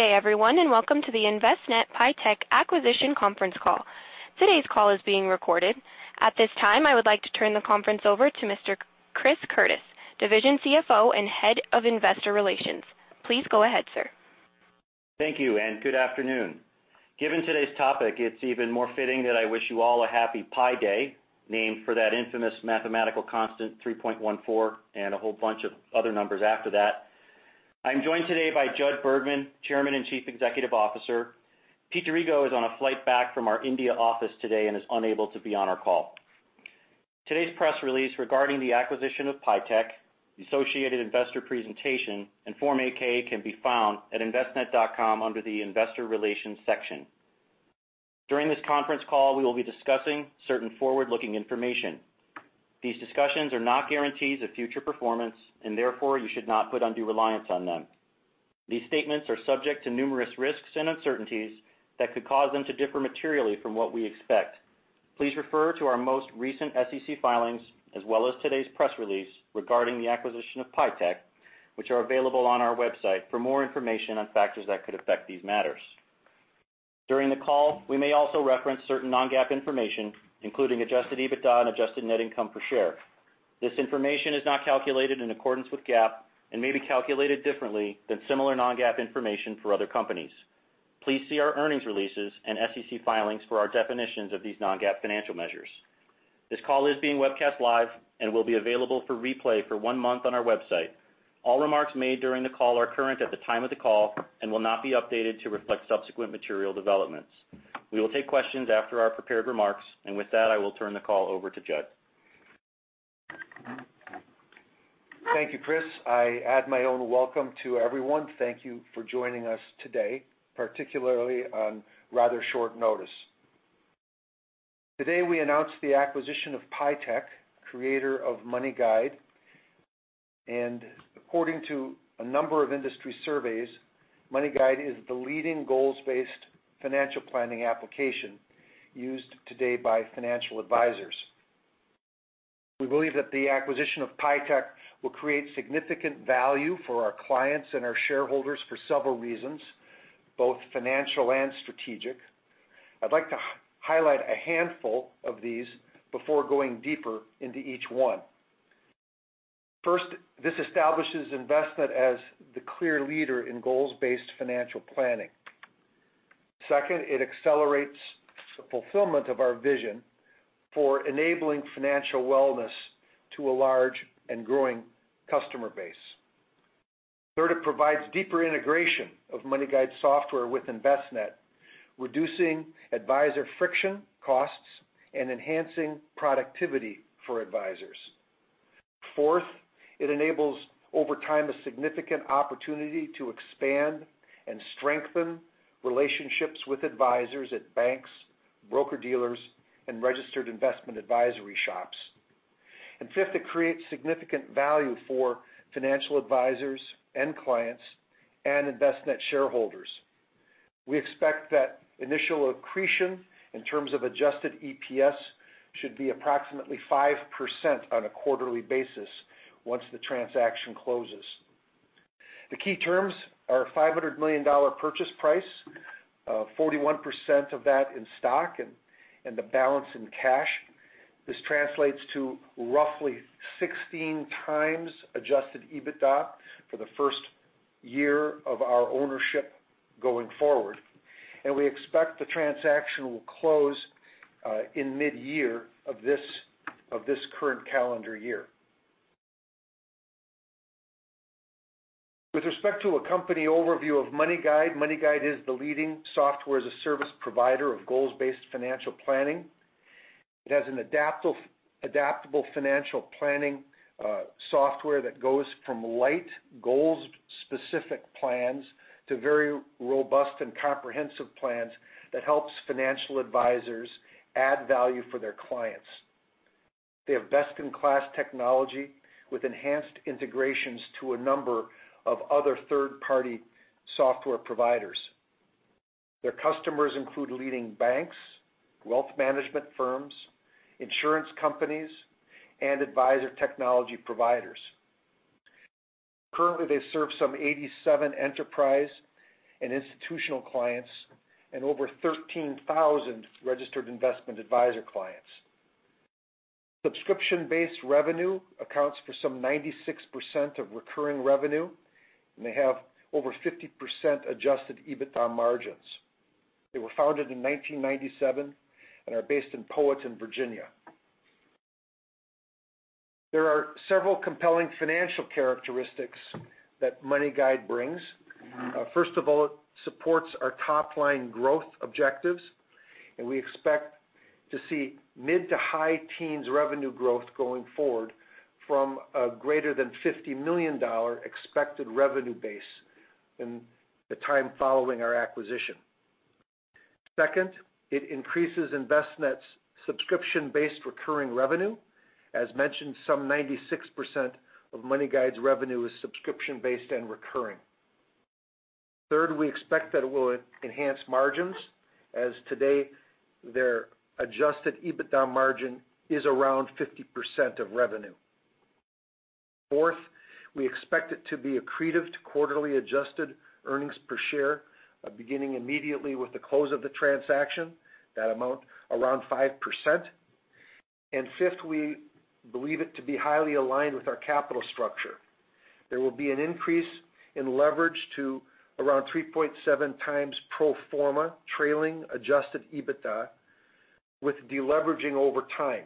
Good day everyone. Welcome to the Envestnet|PIEtech Acquisition Conference Call. Today's call is being recorded. At this time, I would like to turn the conference over to Mr. Chris Curtis, Division CFO and Head of Investor Relations. Please go ahead, sir. Thank you. Good afternoon. Given today's topic, it's even more fitting that I wish you all a happy Pi Day, named for that infamous mathematical constant, 3.14, and a whole bunch of other numbers after that. I'm joined today by Jud Bergman, Chairman and Chief Executive Officer. Peter D'Arrigo is on a flight back from our India office today and is unable to be on our call. Today's press release regarding the acquisition of PIEtech, the associated investor presentation, and Form 8-K can be found at envestnet.com under the Investor Relations section. During this conference call, we will be discussing certain forward-looking information. These discussions are not guarantees of future performance. Therefore, you should not put undue reliance on them. These statements are subject to numerous risks and uncertainties that could cause them to differ materially from what we expect. Please refer to our most recent SEC filings, as well as today's press release regarding the acquisition of PIEtech, which are available on our website for more information on factors that could affect these matters. During the call, we may also reference certain non-GAAP information, including adjusted EBITDA and adjusted net income per share. This information is not calculated in accordance with GAAP and may be calculated differently than similar non-GAAP information for other companies. Please see our earnings releases and SEC filings for our definitions of these non-GAAP financial measures. This call is being webcast live and will be available for replay for one month on our website. All remarks made during the call are current at the time of the call and will not be updated to reflect subsequent material developments. We will take questions after our prepared remarks. With that, I will turn the call over to Jud. Thank you, Chris. I add my own welcome to everyone. Thank you for joining us today, particularly on rather short notice. Today we announce the acquisition of PIEtech, creator of MoneyGuide, and according to a number of industry surveys, MoneyGuide is the leading goals-based financial planning application used today by financial advisors. We believe that the acquisition of PIEtech will create significant value for our clients and our shareholders for several reasons, both financial and strategic. I'd like to highlight a handful of these before going deeper into each one. First, this establishes Envestnet as the clear leader in goals-based financial planning. Second, it accelerates the fulfillment of our vision for enabling financial wellness to a large and growing customer base. Third, it provides deeper integration of MoneyGuide software with Envestnet, reducing advisor friction costs and enhancing productivity for advisors. Fourth, it enables over time a significant opportunity to expand and strengthen relationships with advisors at banks, broker-dealers, and registered investment advisory shops. Fifth, it creates significant value for financial advisors and clients and Envestnet shareholders. We expect that initial accretion in terms of adjusted EPS should be approximately 5% on a quarterly basis once the transaction closes. The key terms are a $500 million purchase price, 41% of that in stock and the balance in cash. This translates to roughly 16 times adjusted EBITDA for the first year of our ownership going forward. We expect the transaction will close in mid-year of this current calendar year. With respect to a company overview of MoneyGuide is the leading software-as-a-service provider of goals-based financial planning. It has an adaptable financial planning software that goes from light goals specific plans to very robust and comprehensive plans that helps financial advisors add value for their clients. They have best-in-class technology with enhanced integrations to a number of other third-party software providers. Their customers include leading banks, wealth management firms, insurance companies, and advisor technology providers. Currently, they serve some 87 enterprise and institutional clients and over 13,000 registered investment advisor clients. Subscription-based revenue accounts for some 96% of recurring revenue. They have over 50% adjusted EBITDA margins. They were founded in 1997 and are based in Powhatan, Virginia. There are several compelling financial characteristics that MoneyGuide brings. First of all, it supports our top-line growth objectives. We expect to see mid to high teens revenue growth going forward from a greater than $50 million expected revenue base in the time following our acquisition. Second, it increases Envestnet's subscription-based recurring revenue. As mentioned, some 96% of MoneyGuide's revenue is subscription-based and recurring. Third, we expect that it will enhance margins, as today their adjusted EBITDA margin is around 50% of revenue. Fourth, we expect it to be accretive to quarterly adjusted earnings per share, beginning immediately with the close of the transaction, that amount around 5%. Fifth, we believe it to be highly aligned with our capital structure. There will be an increase in leverage to around 3.7 times pro forma trailing adjusted EBITDA with deleveraging over time.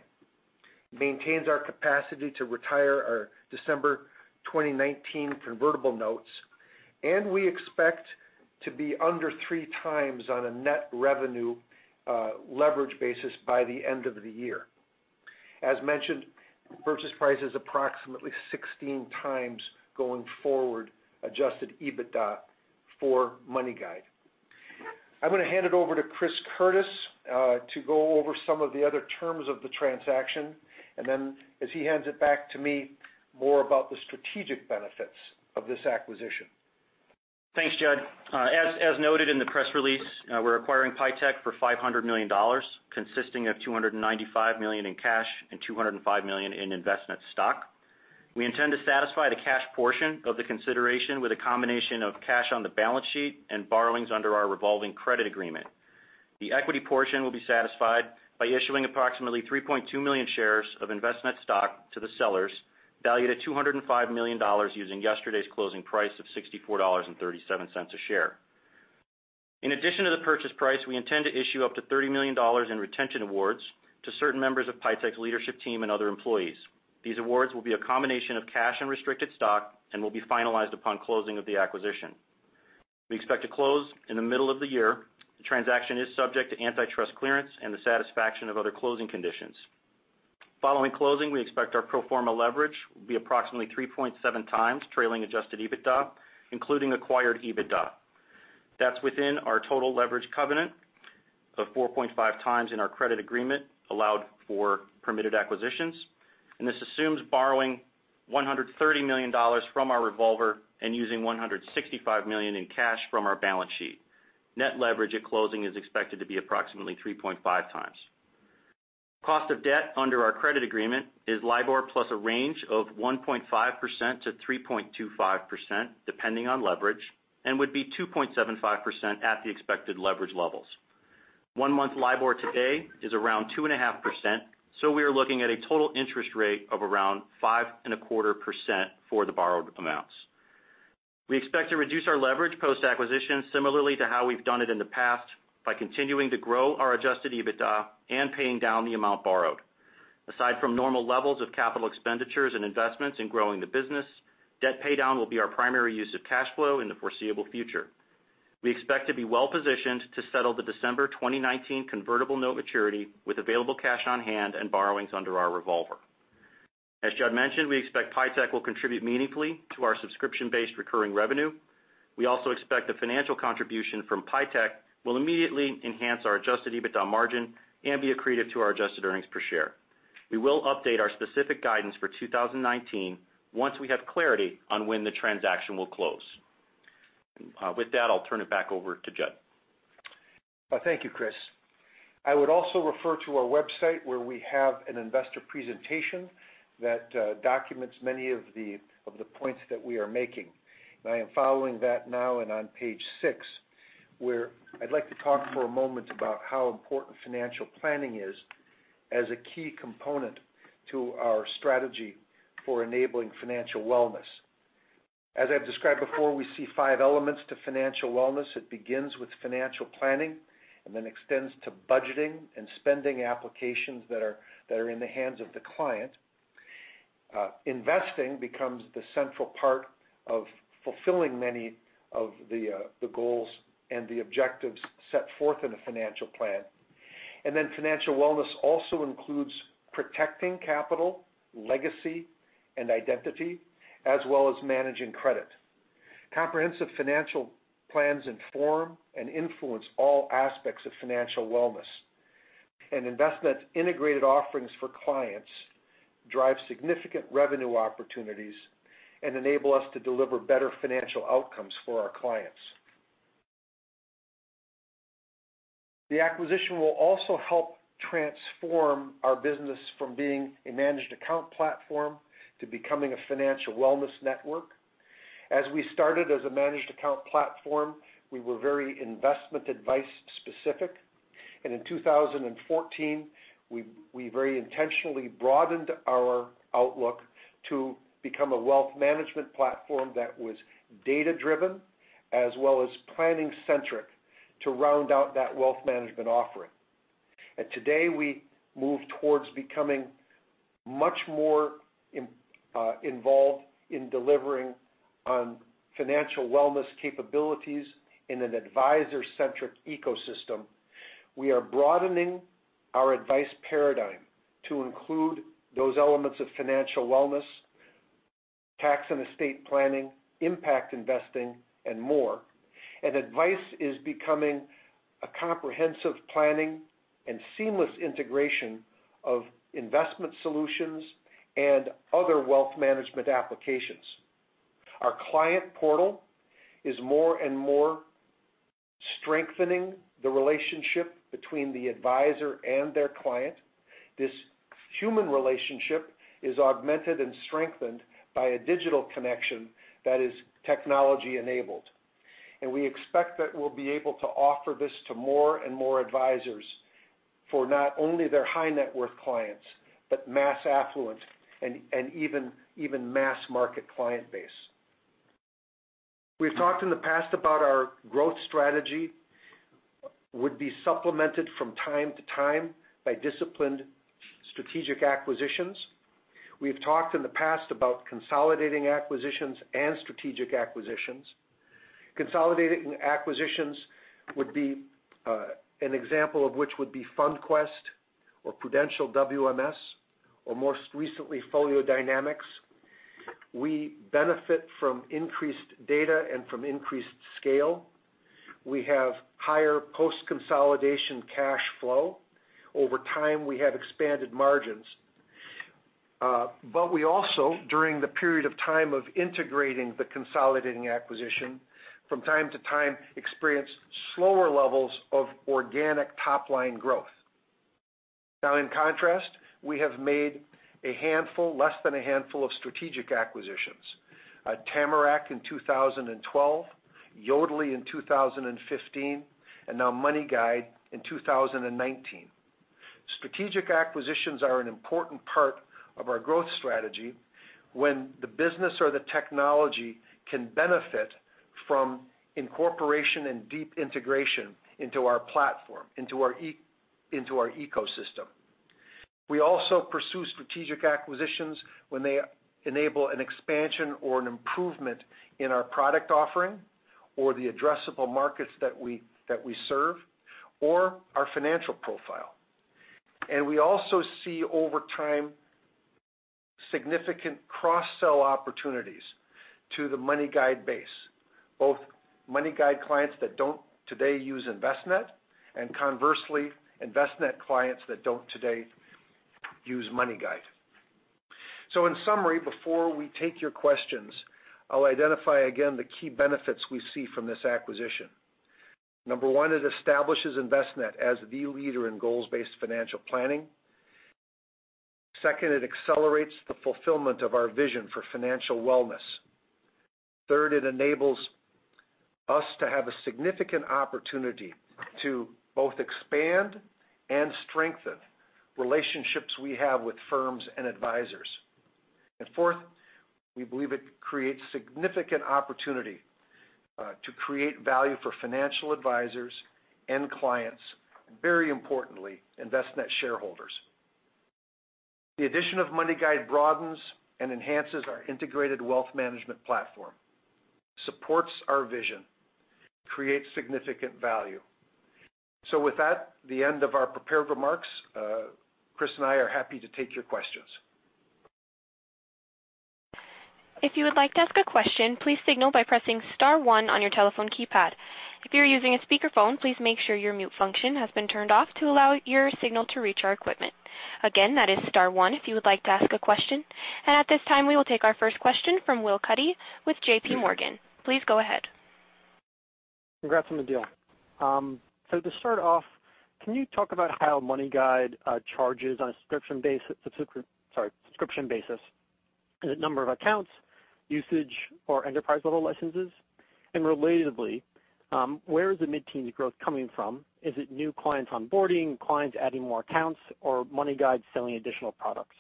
Maintains our capacity to retire our December 2019 convertible notes. We expect to be under three times on a net revenue leverage basis by the end of the year. As mentioned, purchase price is approximately 16 times going forward adjusted EBITDA for MoneyGuide. I'm going to hand it over to Chris Curtis to go over some of the other terms of the transaction, and then as he hands it back to me, more about the strategic benefits of this acquisition. Thanks, Jud. As noted in the press release, we're acquiring PIEtech for $500 million, consisting of $295 million in cash and $205 million in Envestnet stock. We intend to satisfy the cash portion of the consideration with a combination of cash on the balance sheet and borrowings under our revolving credit agreement. The equity portion will be satisfied by issuing approximately 3.2 million shares of Envestnet stock to the sellers, valued at $205 million using yesterday's closing price of $64.37 a share. In addition to the purchase price, we intend to issue up to $30 million in retention awards to certain members of PIEtech's leadership team and other employees. These awards will be a combination of cash and restricted stock and will be finalized upon closing of the acquisition. We expect to close in the middle of the year. The transaction is subject to antitrust clearance and the satisfaction of other closing conditions. Following closing, we expect our pro forma leverage will be approximately 3.7 times trailing adjusted EBITDA, including acquired EBITDA. That's within our total leverage covenant of 4.5 times in our credit agreement allowed for permitted acquisitions. This assumes borrowing $130 million from our revolver and using $165 million in cash from our balance sheet. Net leverage at closing is expected to be approximately 3.5 times. Cost of debt under our credit agreement is LIBOR plus a range of 1.5%-3.25%, depending on leverage, and would be 2.75% at the expected leverage levels. One month LIBOR today is around 2.5%. We are looking at a total interest rate of around 5.25% for the borrowed amounts. We expect to reduce our leverage post-acquisition similarly to how we've done it in the past by continuing to grow our adjusted EBITDA and paying down the amount borrowed. Aside from normal levels of capital expenditures and investments in growing the business, debt paydown will be our primary use of cash flow in the foreseeable future. We expect to be well-positioned to settle the December 2019 convertible note maturity with available cash on hand and borrowings under our revolver. As Jud mentioned, we expect PIEtech will contribute meaningfully to our subscription-based recurring revenue. We also expect the financial contribution from PIEtech will immediately enhance our adjusted EBITDA margin and be accretive to our adjusted earnings per share. We will update our specific guidance for 2019 once we have clarity on when the transaction will close. With that, I'll turn it back over to Jud. Thank you, Chris. I would also refer to our website where we have an investor presentation that documents many of the points that we are making. I am following that now on page six, where I'd like to talk for a moment about how important financial planning is as a key component to our strategy for enabling financial wellness. As I've described before, we see five elements to financial wellness. It begins with financial planning and then extends to budgeting and spending applications that are in the hands of the client. Investing becomes the central part of fulfilling many of the goals and the objectives set forth in a financial plan. Then financial wellness also includes protecting capital, legacy, and identity, as well as managing credit. Comprehensive financial plans inform and influence all aspects of financial wellness. Envestnet's integrated offerings for clients drive significant revenue opportunities and enable us to deliver better financial outcomes for our clients. The acquisition will also help transform our business from being a managed account platform to becoming a financial wellness network. As we started as a managed account platform, we were very investment advice specific, in 2014, we very intentionally broadened our outlook to become a wealth management platform that was data-driven as well as planning-centric to round out that wealth management offering. Today, we move towards becoming much more involved in delivering on financial wellness capabilities in an advisor-centric ecosystem. We are broadening our advice paradigm to include those elements of financial wellness, tax and estate planning, impact investing, and more. Advice is becoming a comprehensive planning and seamless integration of investment solutions and other wealth management applications. Our client portal is more and more strengthening the relationship between the advisor and their client. This human relationship is augmented and strengthened by a digital connection that is technology-enabled. We expect that we'll be able to offer this to more and more advisors for not only their high net worth clients, but mass affluent and even mass market client base. We've talked in the past about our growth strategy would be supplemented from time to time by disciplined strategic acquisitions. We've talked in the past about consolidating acquisitions and strategic acquisitions. Consolidating acquisitions, an example of which would be FundQuest or Prudential WMS, or most recently, FolioDynamix. We benefit from increased data and from increased scale. We have higher post-consolidation cash flow. Over time, we have expanded margins. We also, during the period of time of integrating the consolidating acquisition, from time to time, experience slower levels of organic top-line growth. Now in contrast, we have made less than a handful of strategic acquisitions. Tamarac in 2012, Yodlee in 2015, and now MoneyGuide in 2019. Strategic acquisitions are an important part of our growth strategy when the business or the technology can benefit from incorporation and deep integration into our platform, into our ecosystem. We also pursue strategic acquisitions when they enable an expansion or an improvement in our product offering, or the addressable markets that we serve, or our financial profile. We also see, over time, significant cross-sell opportunities to the MoneyGuide base, both MoneyGuide clients that don't today use Envestnet, and conversely, Envestnet clients that don't today use MoneyGuide. In summary, before we take your questions, I'll identify again the key benefits we see from this acquisition. Number one, it establishes Envestnet as the leader in goals-based financial planning. Second, it accelerates the fulfillment of our vision for financial wellness. Third, it enables us to have a significant opportunity to both expand and strengthen relationships we have with firms and advisors. Fourth, we believe it creates significant opportunity to create value for financial advisors and clients, very importantly, Envestnet shareholders. The addition of MoneyGuide broadens and enhances our integrated wealth management platform, supports our vision, creates significant value. With that, the end of our prepared remarks, Chris and I are happy to take your questions. If you would like to ask a question, please signal by pressing star one on your telephone keypad. If you're using a speakerphone, please make sure your mute function has been turned off to allow your signal to reach our equipment. Again, that is star one if you would like to ask a question. At this time, we will take our first question from Will Cuddy with JPMorgan. Please go ahead. Congrats on the deal. To start off, can you talk about how MoneyGuide charges on a subscription basis? The number of accounts, usage or enterprise level licenses, and relatively, where is the mid-teen growth coming from? Is it new clients onboarding, clients adding more accounts, or MoneyGuide selling additional products?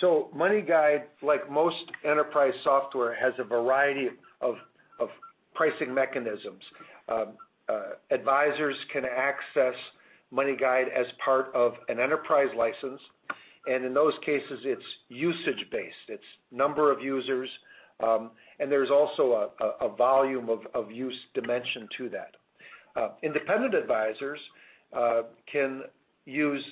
MoneyGuide, like most enterprise software, has a variety of pricing mechanisms. Advisors can access MoneyGuide as part of an enterprise license, and in those cases, it's usage-based. It's number of users, and there's also a volume of use dimension to that. Independent advisors can use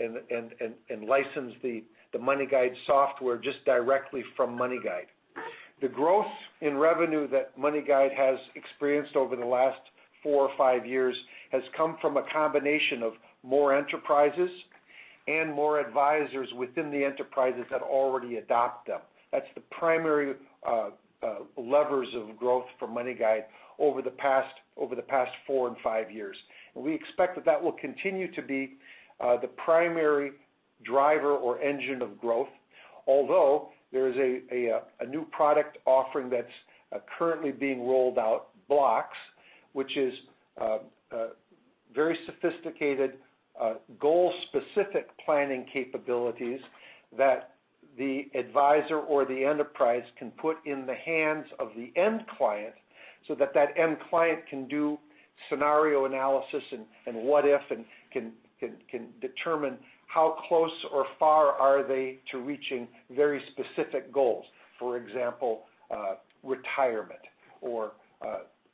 and license the MoneyGuide software just directly from MoneyGuide. The growth in revenue that MoneyGuide has experienced over the last four or five years has come from a combination of more enterprises and more advisors within the enterprises that already adopt them. That's the primary levers of growth for MoneyGuide over the past four and five years. We expect that that will continue to be the primary driver or engine of growth. Although there is a new product offering that's currently being rolled out, MyBlocks, which is very sophisticated goal-specific planning capabilities that the advisor or the enterprise can put in the hands of the end client, so that that end client can do scenario analysis and what if, and can determine how close or far are they to reaching very specific goals. For example, retirement or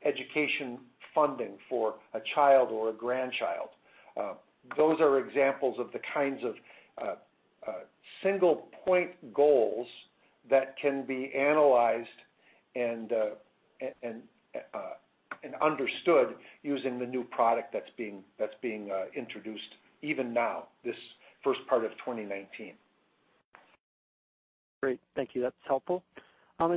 education funding for a child or a grandchild. Those are examples of the kinds of single point goals that can be analyzed and understood using the new product that's being introduced even now, this first part of 2019. Great. Thank you. That's helpful.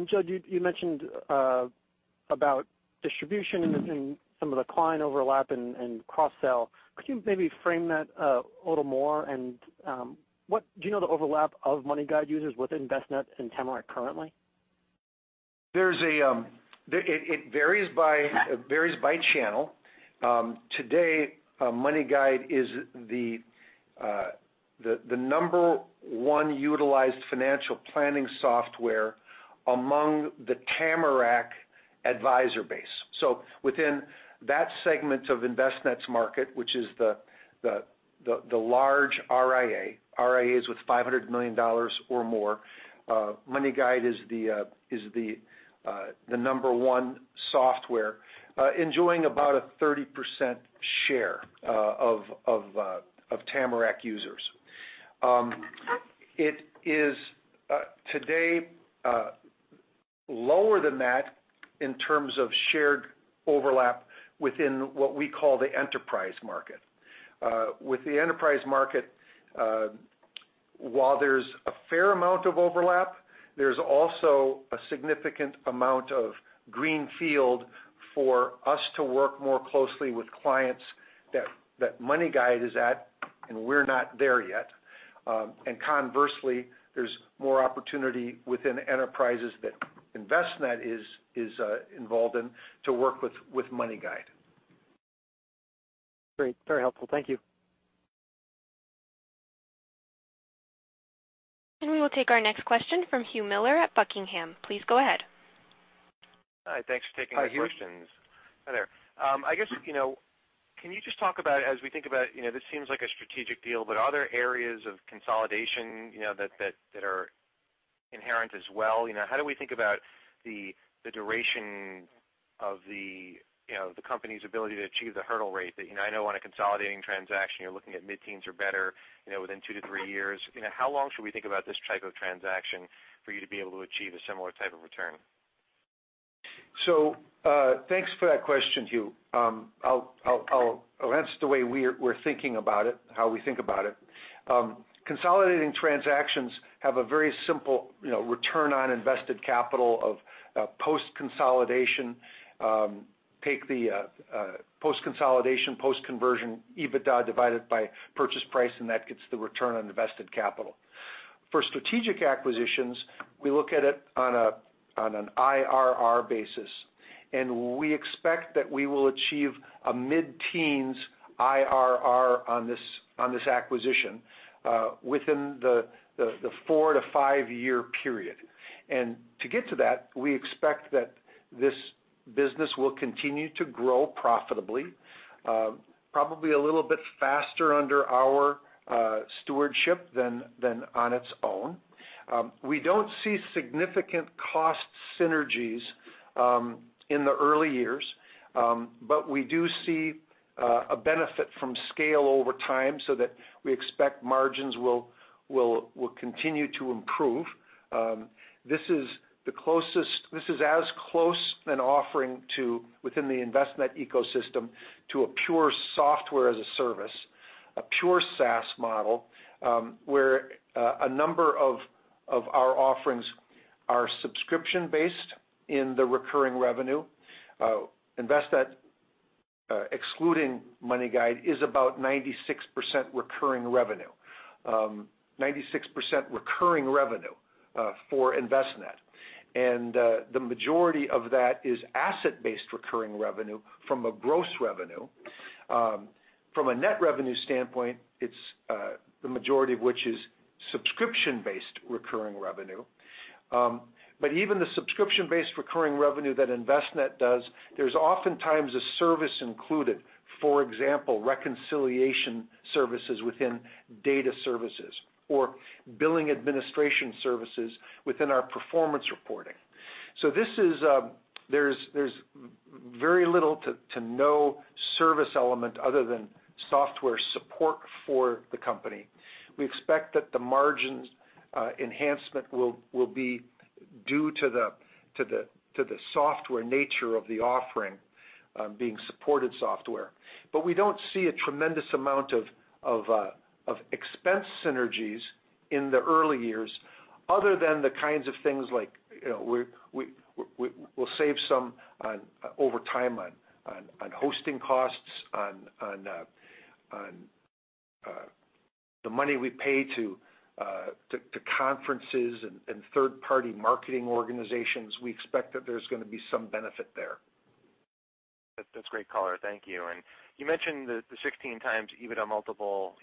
Jud, you mentioned about distribution and some of the client overlap and cross-sell. Could you maybe frame that a little more? Do you know the overlap of MoneyGuide users with Envestnet and Tamarac currently? It varies by channel. Today, MoneyGuide is the number one utilized financial planning software among the Tamarac advisor base. Within that segment of Envestnet's market, which is the large RIA, RIAs with $500 million or more, MoneyGuide is the number one software, enjoying about a 30% share of Tamarac users. It is today lower than that in terms of shared overlap within what we call the enterprise market. With the enterprise market, while there's a fair amount of overlap, there's also a significant amount of greenfield for us to work more closely with clients that MoneyGuide is at, and we're not there yet. Conversely, there's more opportunity within enterprises that Envestnet is involved in to work with MoneyGuide. Great. Very helpful. Thank you. We will take our next question from Hugh Miller at Buckingham. Please go ahead. Hi. Thanks for taking the questions. Hi, Hugh. Hi there. I guess, can you just talk about as we think about, this seems like a strategic deal, but are there areas of consolidation that are inherent as well? How do we think about the duration of the company's ability to achieve the hurdle rate that I know on a consolidating transaction, you're looking at mid-teens or better within two to three years. How long should we think about this type of transaction for you to be able to achieve a similar type of return? Thanks for that question, Hugh. I'll answer the way we're thinking about it, how we think about it. Consolidating transactions have a very simple return on invested capital of post-consolidation. Take the post-consolidation, post-conversion EBITDA divided by purchase price, and that gets the return on invested capital. For strategic acquisitions, we look at it on an IRR basis, and we expect that we will achieve a mid-teens IRR on this acquisition within the four to five-year period. To get to that, we expect that this business will continue to grow profitably, probably a little bit faster under our stewardship than on its own. We don't see significant cost synergies in the early years. We do see a benefit from scale over time so that we expect margins will continue to improve. This is as close an offering to within the Envestnet ecosystem to a pure SaaS, a pure SaaS model, where a number of our offerings are subscription-based in the recurring revenue. Envestnet excluding MoneyGuide is about 96% recurring revenue. 96% recurring revenue for Envestnet. The majority of that is asset-based recurring revenue from a gross revenue. From a net revenue standpoint, the majority of which is subscription-based recurring revenue. Even the subscription-based recurring revenue that Envestnet does, there's oftentimes a service included. For example, reconciliation services within data services or billing administration services within our performance reporting. There's very little to no service element other than software support for the company. We expect that the margins enhancement will be due to the software nature of the offering being supported software. We don't see a tremendous amount of expense synergies in the early years other than the kinds of things like we'll save some over time on hosting costs, on the money we pay to conferences and third-party marketing organizations. We expect that there's going to be some benefit there. That's great color. Thank you. You mentioned the 16x EBITDA multiple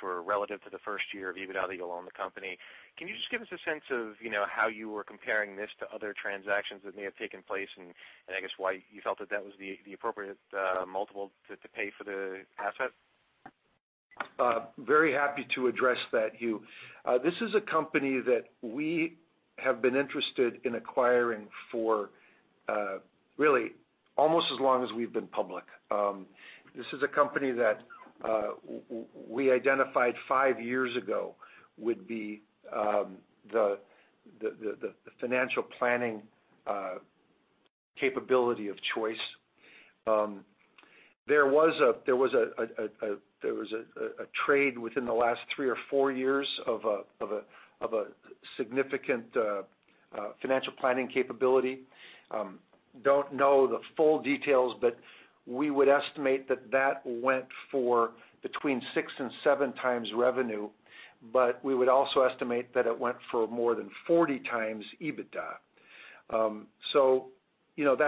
for relative to the first year of EBITDA that you'll own the company. Can you just give us a sense of how you were comparing this to other transactions that may have taken place, and I guess why you felt that that was the appropriate multiple to pay for the asset? Very happy to address that, Hugh. This is a company that we have been interested in acquiring for almost as long as we've been public. This is a company that we identified five years ago would be the financial planning capability of choice. There was a trade within the last three or four years of a significant financial planning capability. Don't know the full details, but we would estimate that that went for between six and seven times revenue. We would also estimate that it went for more than 40 times EBITDA.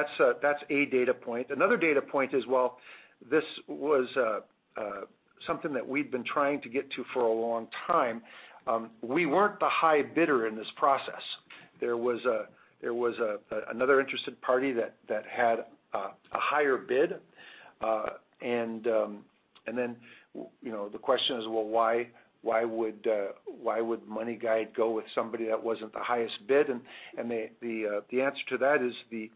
That's a data point. Another data point is, well, this was something that we'd been trying to get to for a long time. We weren't the high bidder in this process. There was another interested party that had a higher bid. The question is, well, why would MoneyGuide go with somebody that wasn't the highest bid? The answer to that is the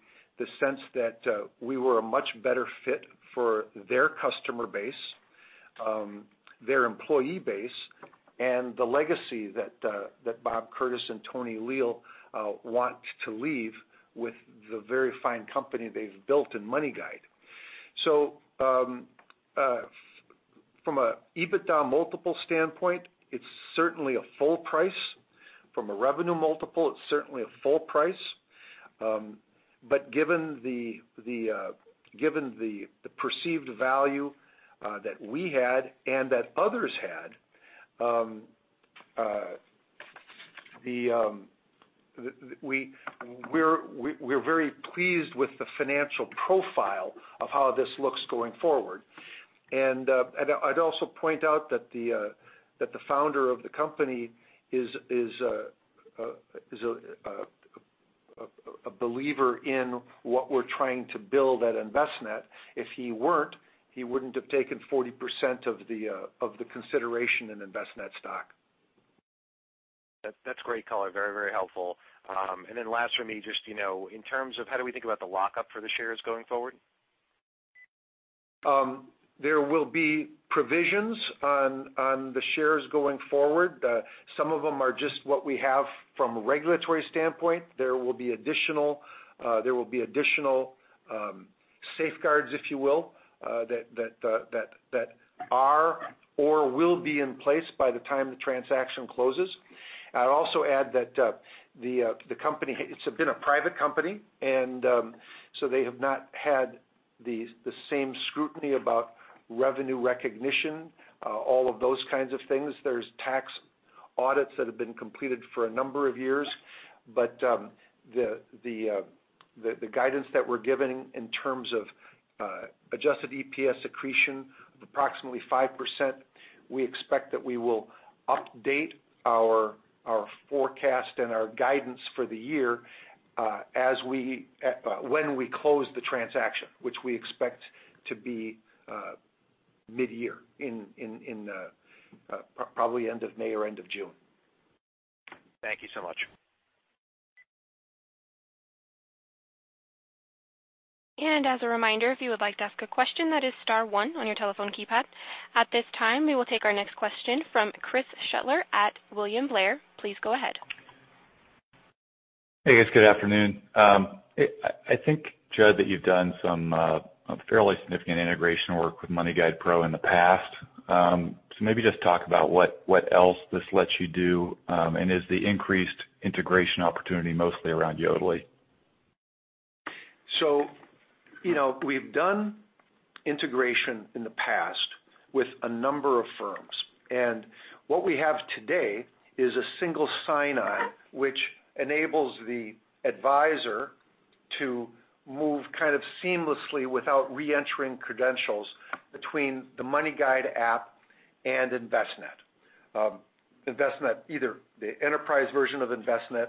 sense that we were a much better fit for their customer base, their employee base, and the legacy that Bob Curtis and Tony Leal want to leave with the very fine company they've built in MoneyGuide. From a EBITDA multiple standpoint, it's certainly a full price. From a revenue multiple, it's certainly a full price. Given the perceived value that we had and that others had, we're very pleased with the financial profile of how this looks going forward. I'd also point out that the founder of the company is a believer in what we're trying to build at Envestnet. If he weren't, he wouldn't have taken 40% of the consideration in Envestnet stock. That's great color. Very helpful. Last for me, just in terms of how do we think about the lockup for the shares going forward? There will be provisions on the shares going forward. Some of them are just what we have from a regulatory standpoint. There will be additional safeguards, if you will, that are or will be in place by the time the transaction closes. I'd also add that the company, it's been a private company. They have not had the same scrutiny about revenue recognition, all of those kinds of things. There's tax audits that have been completed for a number of years, the guidance that we're giving in terms of adjusted EPS accretion of approximately 5%, we expect that we will update our forecast and our guidance for the year when we close the transaction, which we expect to be mid-year, in probably end of May or end of June. Thank you so much. As a reminder, if you would like to ask a question, that is star one on your telephone keypad. At this time, we will take our next question from Chris Shutler at William Blair. Please go ahead. Hey, guys. Good afternoon. I think, Jud, that you've done some fairly significant integration work with MoneyGuidePro in the past. Maybe just talk about what else this lets you do, and is the increased integration opportunity mostly around Yodlee? We've done integration in the past with a number of firms, and what we have today is a single sign-on, which enables the advisor to move kind of seamlessly without reentering credentials between the MoneyGuide app and Envestnet. Envestnet, either the enterprise version of Envestnet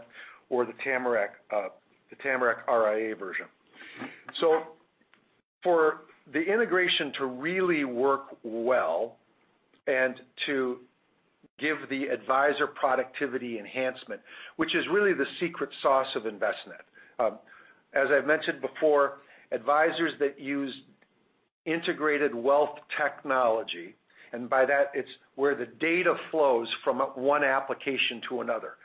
or the Tamarac RIA version. For the integration to really work well and to give the advisor productivity enhancement, which is really the secret sauce of Envestnet. As I've mentioned before, advisors that use integrated wealth technology, and by that it's where the data flows from one application to another,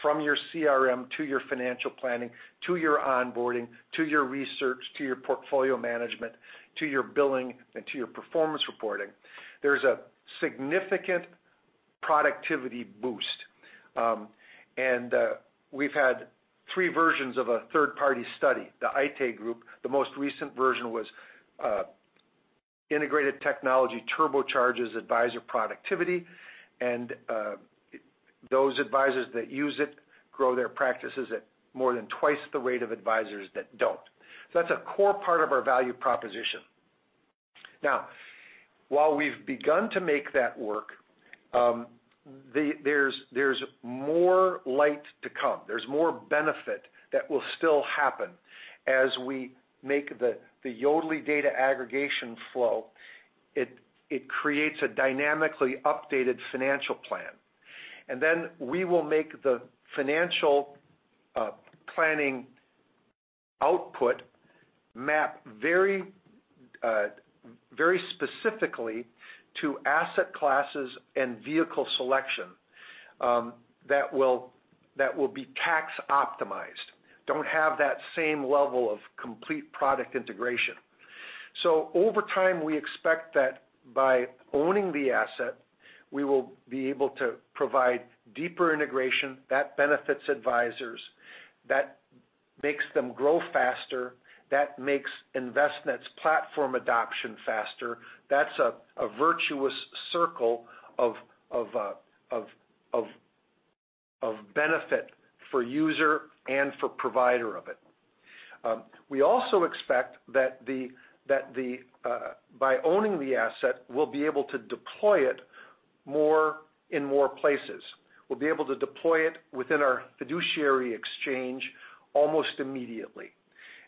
from your CRM to your financial planning, to your onboarding, to your research, to your portfolio management, to your billing, and to your performance reporting. There's a significant productivity boost. We've had three versions of a third-party study, the Aite Group. The most recent version was integrated technology turbochargers advisor productivity, and those advisors that use it grow their practices at more than twice the rate of advisors that don't. That's a core part of our value proposition. While we've begun to make that work, there's more light to come. There's more benefit that will still happen as we make the Yodlee data aggregation flow. It creates a dynamically updated financial plan. Then we will make the financial planning output map very specifically to asset classes and vehicle selection that will be tax optimized, don't have that same level of complete product integration. Over time, we expect that by owning the asset, we will be able to provide deeper integration that benefits advisors, that makes them grow faster, that makes Envestnet's platform adoption faster. That's a virtuous circle of benefit for user and for provider of it. We also expect that by owning the asset, we'll be able to deploy it in more places. We'll be able to deploy it within our fiduciary exchange almost immediately.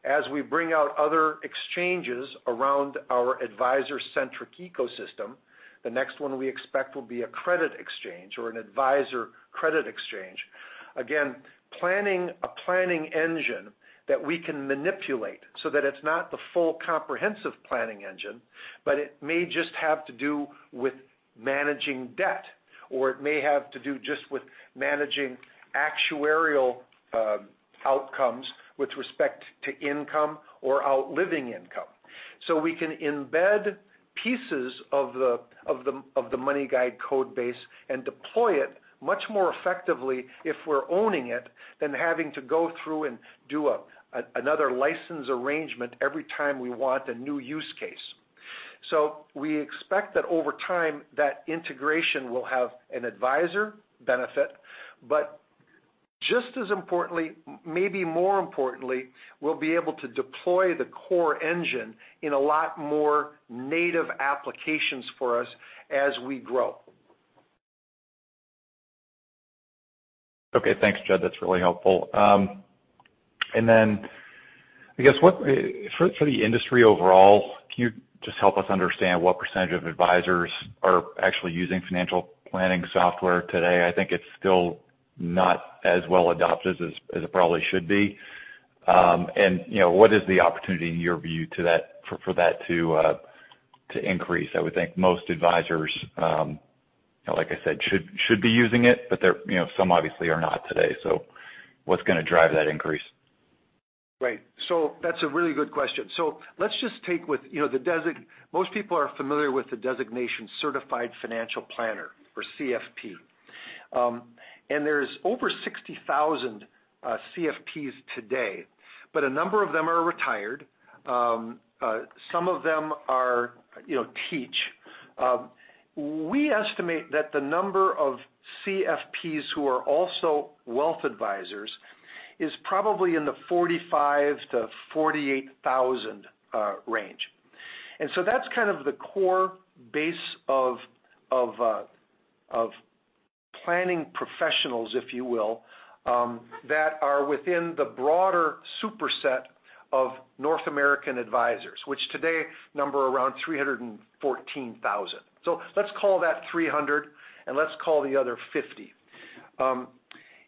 As we bring out other exchanges around our advisor-centric ecosystem, the next one we expect will be a credit exchange or an Advisor Credit Exchange. Again, a planning engine that we can manipulate so that it's not the full comprehensive planning engine, but it may just have to do with managing debt, or it may have to do just with managing actuarial outcomes with respect to income or outliving income. We can embed pieces of the MoneyGuide code base and deploy it much more effectively if we're owning it than having to go through and do another license arrangement every time we want a new use case. We expect that over time, that integration will have an advisor benefit, but just as importantly, maybe more importantly, we'll be able to deploy the core engine in a lot more native applications for us as we grow. Okay, thanks, Jud. That's really helpful. I guess, for the industry overall, can you just help us understand what percentage of advisors are actually using financial planning software today? I think it's still not as well adopted as it probably should be. What is the opportunity in your view for that to increase? I would think most advisors, like I said, should be using it, but some obviously are not today. What's going to drive that increase? Right. That's a really good question. Let's just take with Most people are familiar with the designation CERTIFIED FINANCIAL PLANNER® or CFP. There's over 60,000 CFPs today, but a number of them are retired. Some of them teach. We estimate that the number of CFPs who are also wealth advisors is probably in the 45,000 to 48,000 range. That's kind of the core base of planning professionals, if you will, that are within the broader superset of North American advisors, which today number around 314,000. Let's call that 300 and let's call the other 50.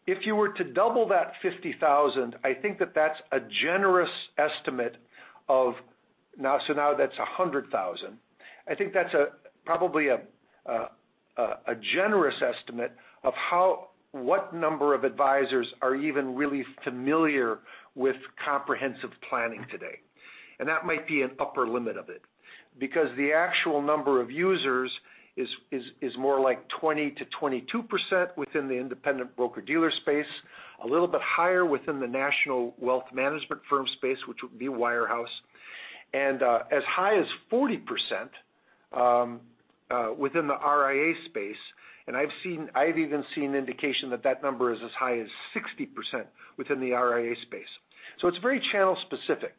If you were to double that 50,000, I think that that's a generous estimate of. Now that's 100,000. I think that's probably a generous estimate of what number of advisors are even really familiar with comprehensive planning today. That might be an upper limit of it because the actual number of users is more like 20%-22% within the independent broker-dealer space, a little bit higher within the national wealth management firm space, which would be wirehouse, and as high as 40% within the RIA space. I've even seen indication that that number is as high as 60% within the RIA space. It's very channel specific.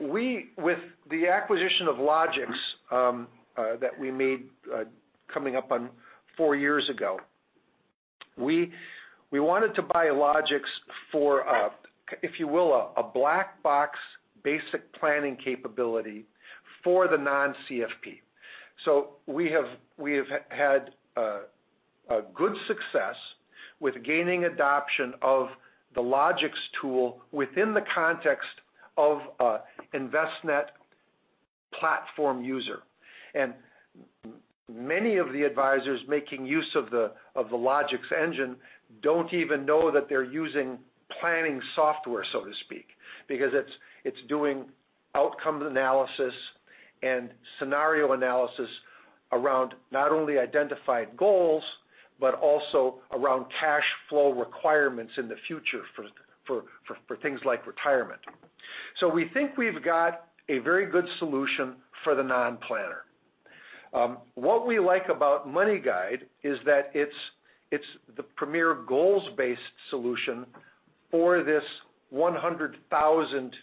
With the acquisition of Logix that we made coming up on four years ago, we wanted to buy Logix for, if you will, a black box basic planning capability for the non-CFP. We have had good success with gaining adoption of the Logix tool within the context of Envestnet platform user. Many of the advisors making use of the Logix engine don't even know that they're using planning software, so to speak, because it's doing outcome analysis and scenario analysis around not only identified goals but also around cash flow requirements in the future for things like retirement. We think we've got a very good solution for the non-planner. What we like about MoneyGuide is that it's the premier goals-based solution for this 100,000,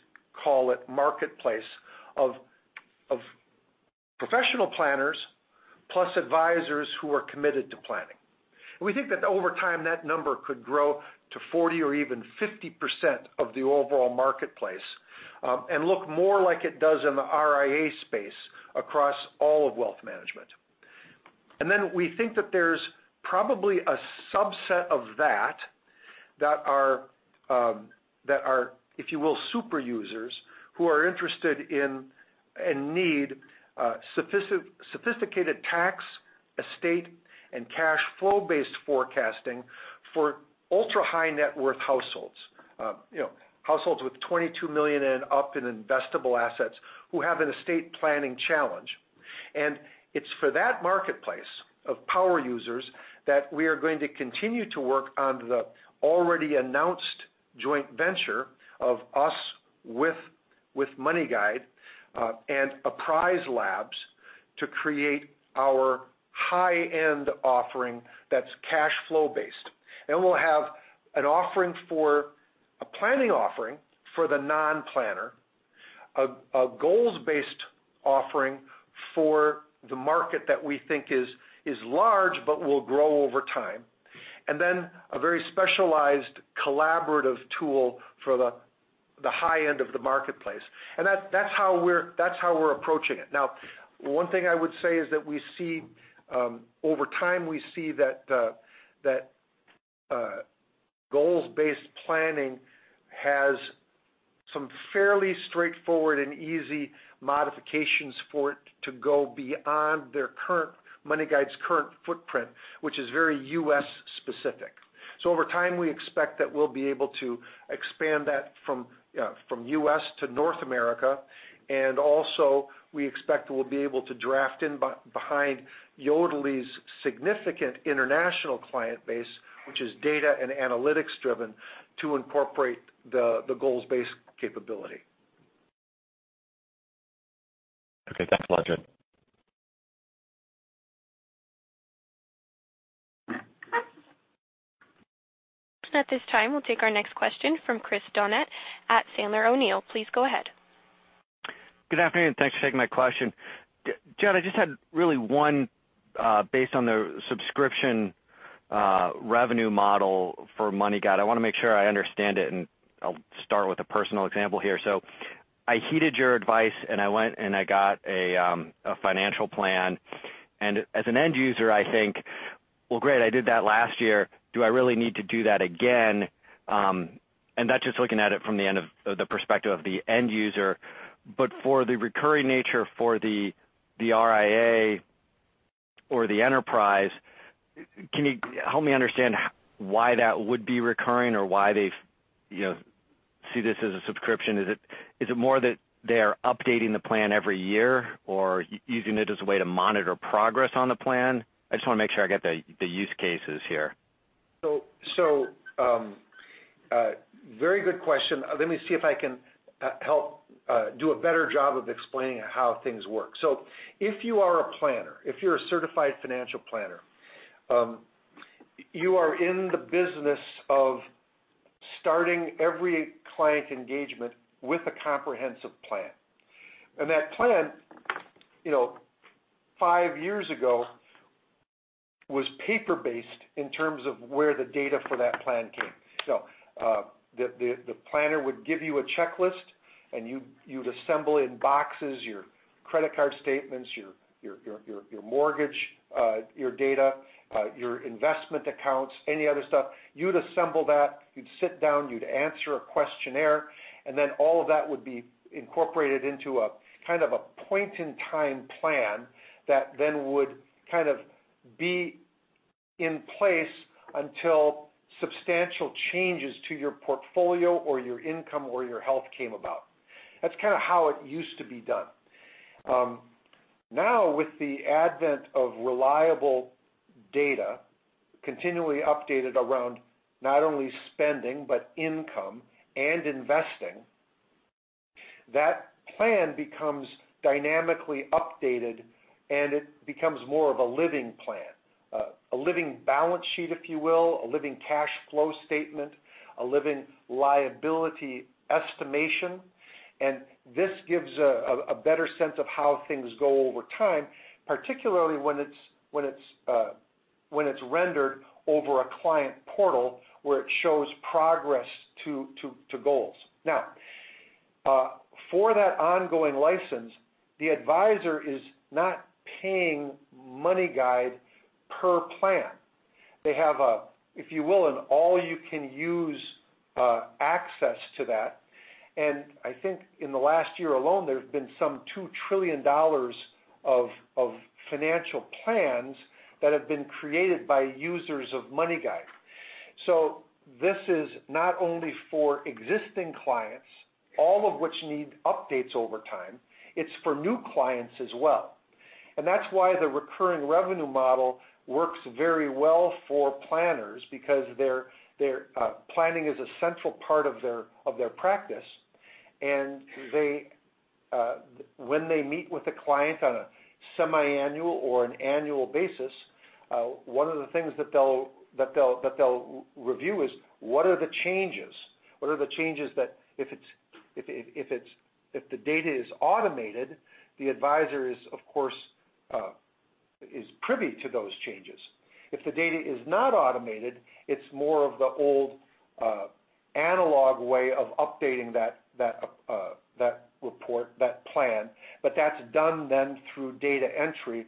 call it marketplace of professional planners plus advisors who are committed to planning. We think that over time, that number could grow to 40% or even 50% of the overall marketplace and look more like it does in the RIA space across all of wealth management. Then we think that there's probably a subset of that are, if you will, super users who are interested in and need sophisticated tax, estate, and cash flow-based forecasting for ultra-high net worth households. Households with $22 million and up in investable assets who have an estate planning challenge. It's for that marketplace of power users that we are going to continue to work on the already announced joint venture of us with MoneyGuide and Apprise Labs to create our high-end offering that's cash flow-based. We'll have a planning offering for the non-planner, a goals-based offering for the market that we think is large but will grow over time, and then a very specialized collaborative tool for the high end of the marketplace. That's how we're approaching it. One thing I would say is that over time we see that goals-based planning has some fairly straightforward and easy modifications for it to go beyond MoneyGuide's current footprint, which is very U.S.-specific. Over time, we expect that we'll be able to expand that from U.S. to North America. Also we expect we'll be able to draft in behind Yodlee's significant international client base, which is data and analytics driven, to incorporate the goals-based capability. Okay. Thanks a lot, Jud. At this time, we'll take our next question from Chris Donat at Sandler O'Neill. Please go ahead. Good afternoon. Thanks for taking my question. Jud, I just had really one based on the subscription revenue model for MoneyGuide. I want to make sure I understand it, and I'll start with a personal example here. I heeded your advice, and I went and I got a financial plan. As an end user, I think, "Well, great, I did that last year. Do I really need to do that again?" That's just looking at it from the perspective of the end user. For the recurring nature for the RIA or the enterprise, can you help me understand why that would be recurring or why they see this as a subscription? Is it more that they are updating the plan every year or using it as a way to monitor progress on the plan? I just want to make sure I get the use cases here. Very good question. Let me see if I can do a better job of explaining how things work. If you are a planner, if you're a CERTIFIED FINANCIAL PLANNER®, you are in the business of starting every client engagement with a comprehensive plan. That plan, 5 years ago, was paper-based in terms of where the data for that plan came. The planner would give you a checklist, and you'd assemble in boxes your credit card statements, your mortgage, your data, your investment accounts, any other stuff. You'd assemble that. You'd sit down, you'd answer a questionnaire, all of that would be incorporated into a kind of a point-in-time plan that then would kind of be in place until substantial changes to your portfolio or your income or your health came about. That's kind of how it used to be done. Now, with the advent of reliable data continually updated around not only spending but income and investing, that plan becomes dynamically updated, and it becomes more of a living plan, a living balance sheet, if you will, a living cash flow statement, a living liability estimation. This gives a better sense of how things go over time, particularly when it's rendered over a client portal where it shows progress to goals. Now, for that ongoing license, the advisor is not paying MoneyGuide per plan. They have a, if you will, an all you can use access to that. I think in the last year alone, there have been some $2 trillion of financial plans that have been created by users of MoneyGuide. This is not only for existing clients, all of which need updates over time, it's for new clients as well. That's why the recurring revenue model works very well for planners because planning is a central part of their practice. When they meet with a client on a semiannual or an annual basis, one of the things that they'll review is, what are the changes? If the data is automated, the advisor is, of course privy to those changes. If the data is not automated, it's more of the old analog way of updating that report, that plan. That's done then through data entry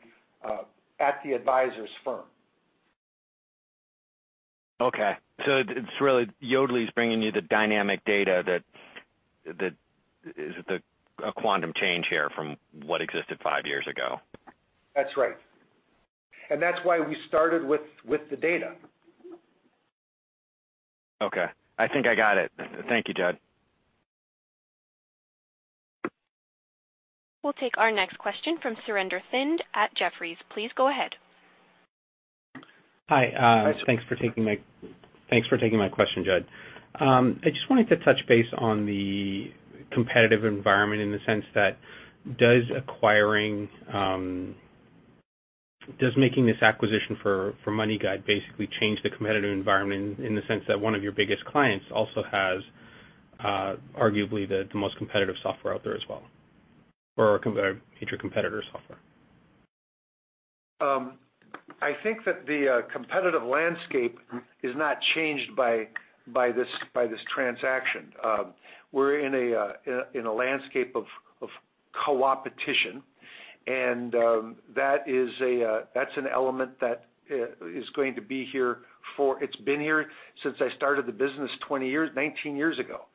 at the advisor's firm. Okay. It's really Yodlee's bringing you the dynamic data that is a quantum change here from what existed 5 years ago. That's right. That's why we started with the data. Okay. I think I got it. Thank you, Jud. We'll take our next question from Surinder Thind at Jefferies. Please go ahead. Hi. Hi. Thanks for taking my question, Jud. I just wanted to touch base on the competitive environment in the sense that does making this acquisition for MoneyGuide basically change the competitive environment in the sense that one of your biggest clients also has arguably the most competitive software out there as well, or a major competitor software? I think that the competitive landscape is not changed by this transaction. We're in a landscape of co-opetition, that's an element that is going to be here. It's been here since I started the business 19 years ago.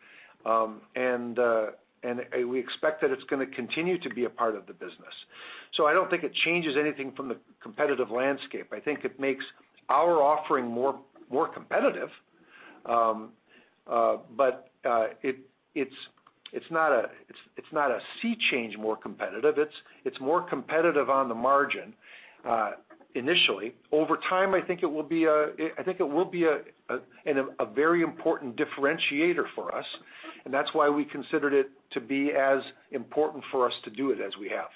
We expect that it's going to continue to be a part of the business. I don't think it changes anything from the competitive landscape. I think it makes our offering more competitive. It's not a sea change more competitive. It's more competitive on the margin initially. Over time, I think it will be a very important differentiator for us, and that's why we considered it to be as important for us to do it as we have.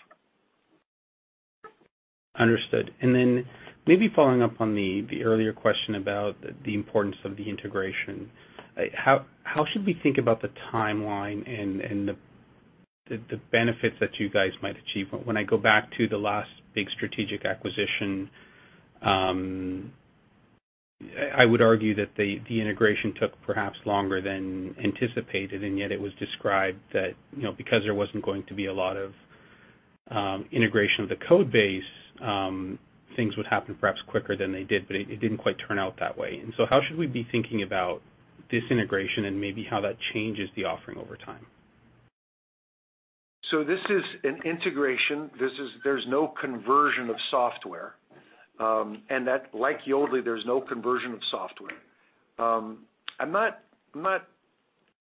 Understood. Maybe following up on the earlier question about the importance of the integration. How should we think about the timeline and the benefits that you guys might achieve? When I go back to the last big strategic acquisition, I would argue that the integration took perhaps longer than anticipated, and yet it was described that because there wasn't going to be a lot of integration of the code base things would happen perhaps quicker than they did. It didn't quite turn out that way. How should we be thinking about this integration and maybe how that changes the offering over time? This is an integration. There's no conversion of software. Like Yodlee, there's no conversion of software.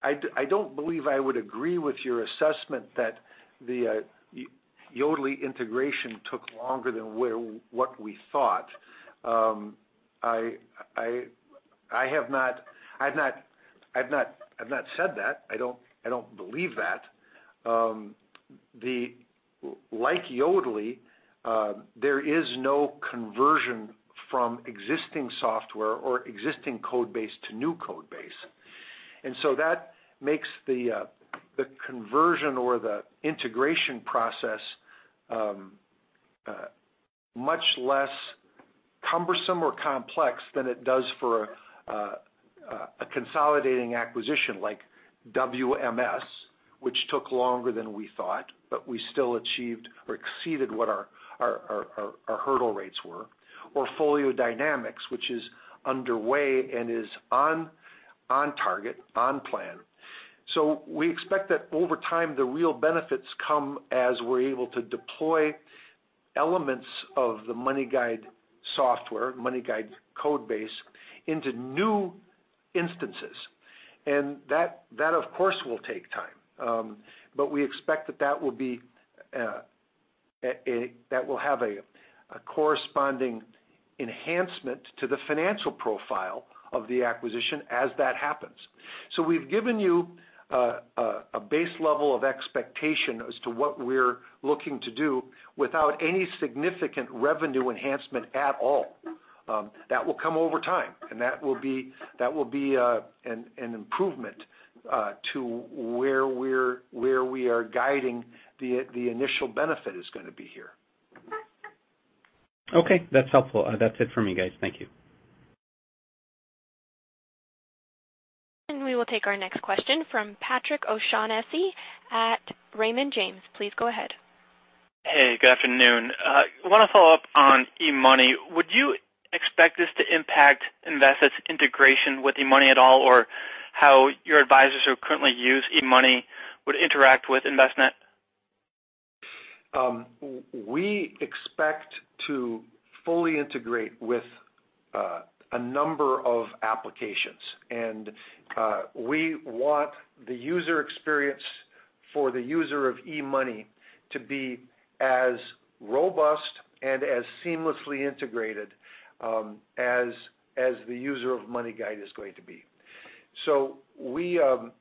I don't believe I would agree with your assessment that the Yodlee integration took longer than what we thought. I've not said that. I don't believe that. Like Yodlee, there is no conversion from existing software or existing code base to new code base. That makes the conversion or the integration process much less cumbersome or complex than it does for a consolidating acquisition like WMS, which took longer than we thought, but we still achieved or exceeded what our hurdle rates were. Or FolioDynamix, which is underway and is on target, on plan. We expect that over time, the real benefits come as we're able to deploy elements of the MoneyGuide software, MoneyGuide code base into new instances. That of course, will take time. We expect that that will have a corresponding enhancement to the financial profile of the acquisition as that happens. We've given you a base level of expectation as to what we're looking to do without any significant revenue enhancement at all. That will come over time, and that will be an improvement to where we are guiding the initial benefit is going to be here. Okay. That's helpful. That's it for me, guys. Thank you. We will take our next question from Patrick O'Shaughnessy at Raymond James. Please go ahead. Hey, good afternoon. I want to follow up on eMoney. Would you expect this to impact Envestnet's integration with eMoney at all, or how your advisors who currently use eMoney would interact with Envestnet? We expect to fully integrate with a number of applications. We want the user experience for the user of eMoney to be as robust and as seamlessly integrated as the user of MoneyGuide is going to be. We're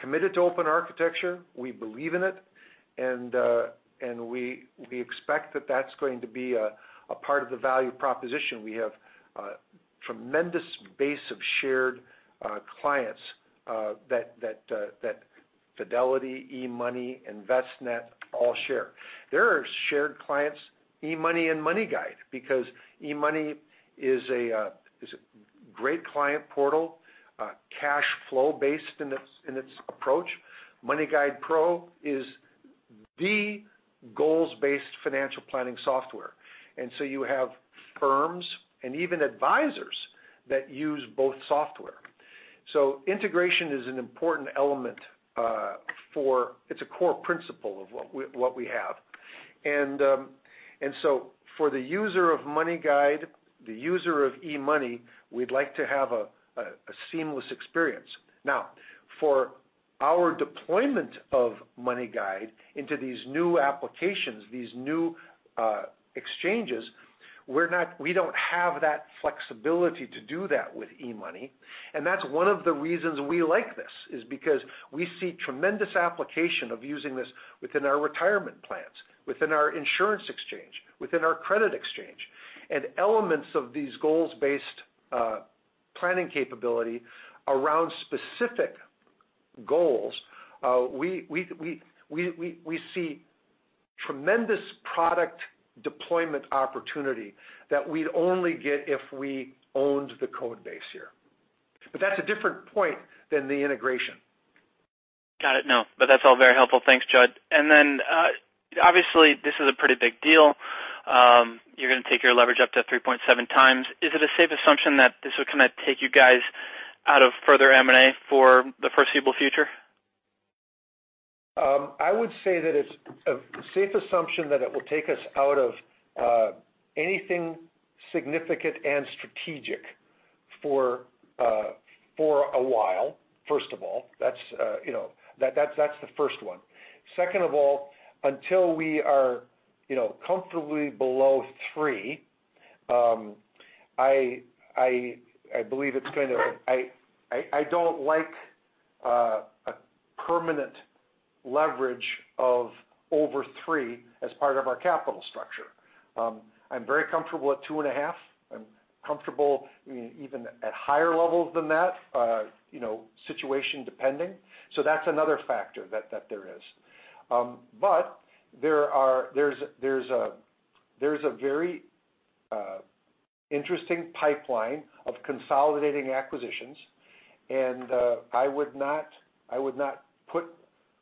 committed to open architecture. We believe in it. We expect that that's going to be a part of the value proposition we have tremendous base of shared clients that Fidelity, eMoney, Envestnet all share. There are shared clients, eMoney and MoneyGuide, because eMoney is a great client portal, cash flow-based in its approach. MoneyGuidePro is the goals-based financial planning software. You have firms and even advisors that use both software. Integration is an important element, it's a core principle of what we have. For the user of MoneyGuide, the user of eMoney, we'd like to have a seamless experience. For our deployment of MoneyGuide into these new applications, these new exchanges, we don't have that flexibility to do that with eMoney. That's one of the reasons we like this, is because we see tremendous application of using this within our retirement plans, within our Insurance Exchange, within our Credit Exchange, and elements of these goals-based planning capability around specific goals. We see tremendous product deployment opportunity that we'd only get if we owned the code base here. That's a different point than the integration. Got it. That's all very helpful. Thanks, Jud. Obviously, this is a pretty big deal. You're going to take your leverage up to 3.7 times. Is it a safe assumption that this will kind of take you guys out of further M&A for the foreseeable future? I would say that it's a safe assumption that it will take us out of anything significant and strategic for a while, first of all. That's the first one. Second of all, until we are comfortably below three, I don't like a permanent leverage of over three as part of our capital structure. I'm very comfortable at two and a half. I'm comfortable even at higher levels than that, situation depending. That's another factor that there is. There's a very interesting pipeline of consolidating acquisitions, and I would not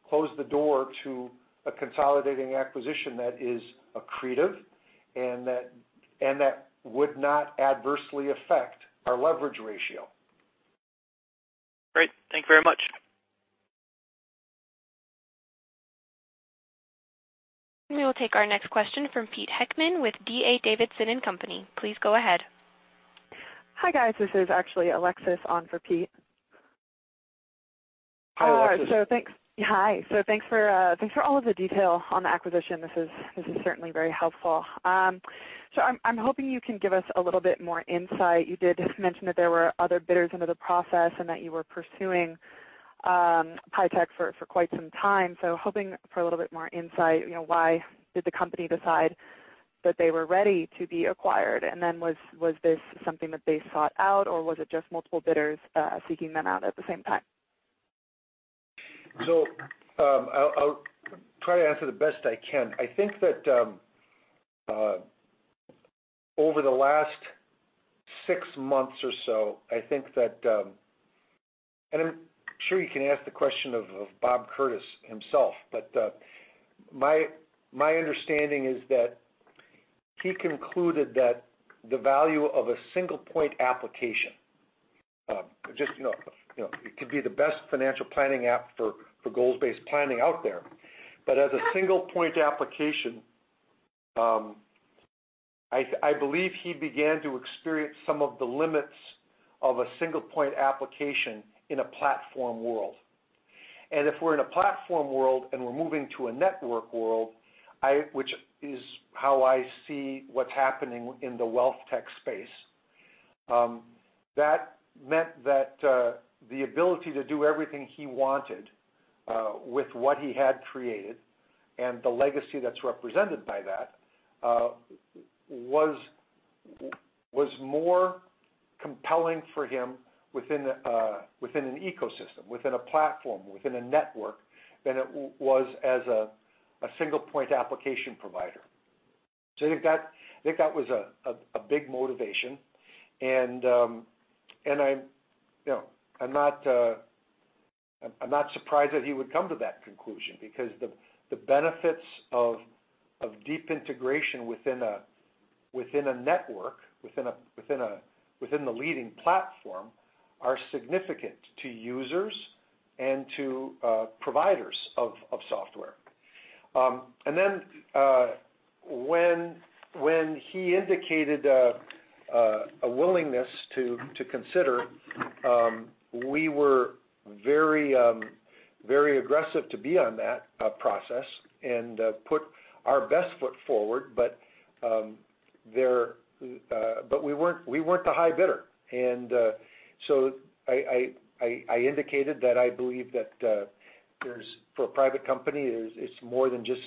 close the door to a consolidating acquisition that is accretive and that would not adversely affect our leverage ratio. Great. Thank you very much. We will take our next question from Pete Heckmann with D.A. Davidson & Co. Please go ahead. Hi, guys. This is actually Alexis on for Pete. Hi, Alexis. Hi. Thanks for all of the detail on the acquisition. This is certainly very helpful. I'm hoping you can give us a little bit more insight. You did mention that there were other bidders into the process and that you were pursuing PIEtech for quite some time. Hoping for a little bit more insight, why did the company decide that they were ready to be acquired? Was this something that they sought out, or was it just multiple bidders seeking them out at the same time? I'll try to answer the best I can. Over the last six months or so, I think that I'm sure you can ask the question of Bob Curtis himself. My understanding is that he concluded that the value of a single point application, it could be the best financial planning app for goals-based planning out there. As a single point application, I believe he began to experience some of the limits of a single point application in a platform world. If we're in a platform world, and we're moving to a network world, which is how I see what's happening in the wealth tech space, that meant that the ability to do everything he wanted with what he had created and the legacy that's represented by that, was more compelling for him within an ecosystem, within a platform, within a network than it was as a single point application provider. I think that was a big motivation. I'm not surprised that he would come to that conclusion because the benefits of deep integration within a network, within the leading platform are significant to users and to providers of software. When he indicated a willingness to consider, we were very aggressive to be on that process and put our best foot forward. We weren't the high bidder. I indicated that I believe that for a private company, it's more than just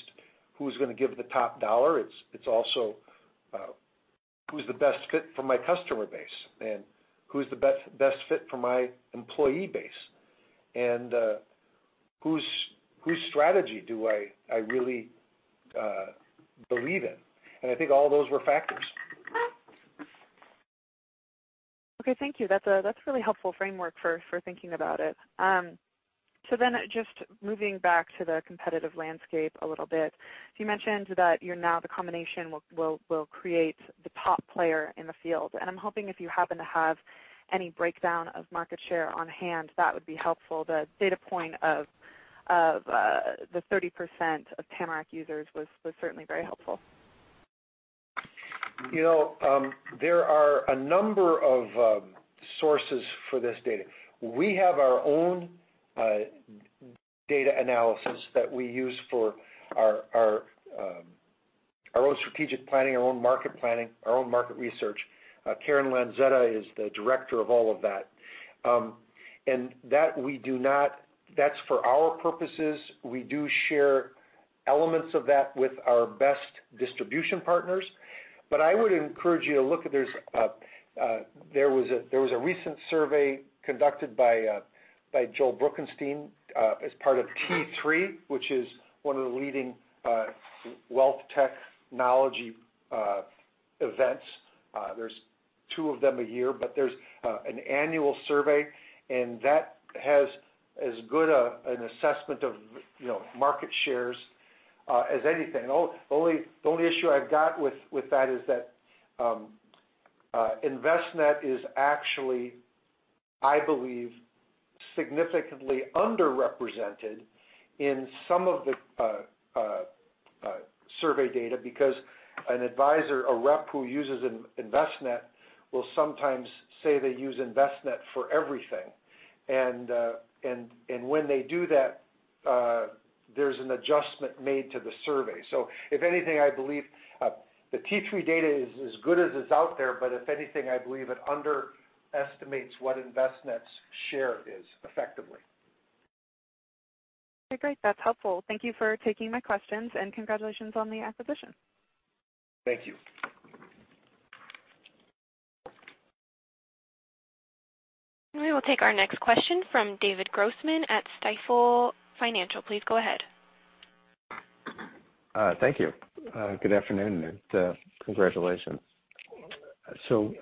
who's going to give the top dollar? It's also who's the best fit for my customer base, and who's the best fit for my employee base. Whose strategy do I really believe in? I think all those were factors. Okay. Thank you. That's a really helpful framework for thinking about it. Just moving back to the competitive landscape a little bit. You mentioned that now the combination will create the top player in the field, and I'm hoping if you happen to have any breakdown of market share on hand, that would be helpful. The data point of the 30% of Tamarac users was certainly very helpful. There are a number of sources for this data. We have our own data analysis that we use for our own strategic planning, our own market planning, our own market research. Karen Lanzetta is the director of all of that. That's for our purposes. We do share elements of that with our best distribution partners. I would encourage you to look, there was a recent survey conducted by Joel Bruckenstein, as part of T3, which is one of the leading wealth technology events. There's two of them a year, but there's an annual survey, and that has as good an assessment of market shares as anything. The only issue I've got with that is that Envestnet is actually, I believe, significantly underrepresented in some of the survey data because an advisor, a rep who uses Envestnet, will sometimes say they use Envestnet for everything. When they do that, there's an adjustment made to the survey. If anything, I believe the T3 data is as good as is out there, but if anything, I believe it underestimates what Envestnet's share is effectively. Okay, great. That's helpful. Thank you for taking my questions, and congratulations on the acquisition. Thank you. We will take our next question from David Grossman at Stifel Financial. Please go ahead. Thank you. Good afternoon, and congratulations.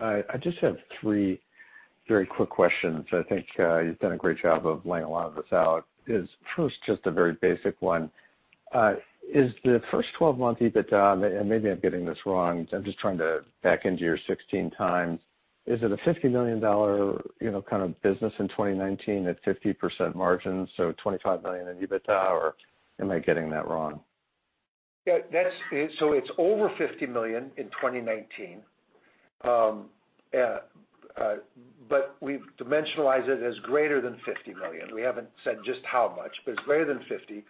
I just have three very quick questions. I think you've done a great job of laying a lot of this out. First, just a very basic one. Is the first 12-month EBITDA, and maybe I'm getting this wrong, I'm just trying to back into your 16x. Is it a $50 million kind of business in 2019 at 50% margins, so $25 million in EBITDA, or am I getting that wrong? It's over $50 million in 2019. We've dimensionalized it as greater than $50 million. We haven't said just how much, but it's greater than 50,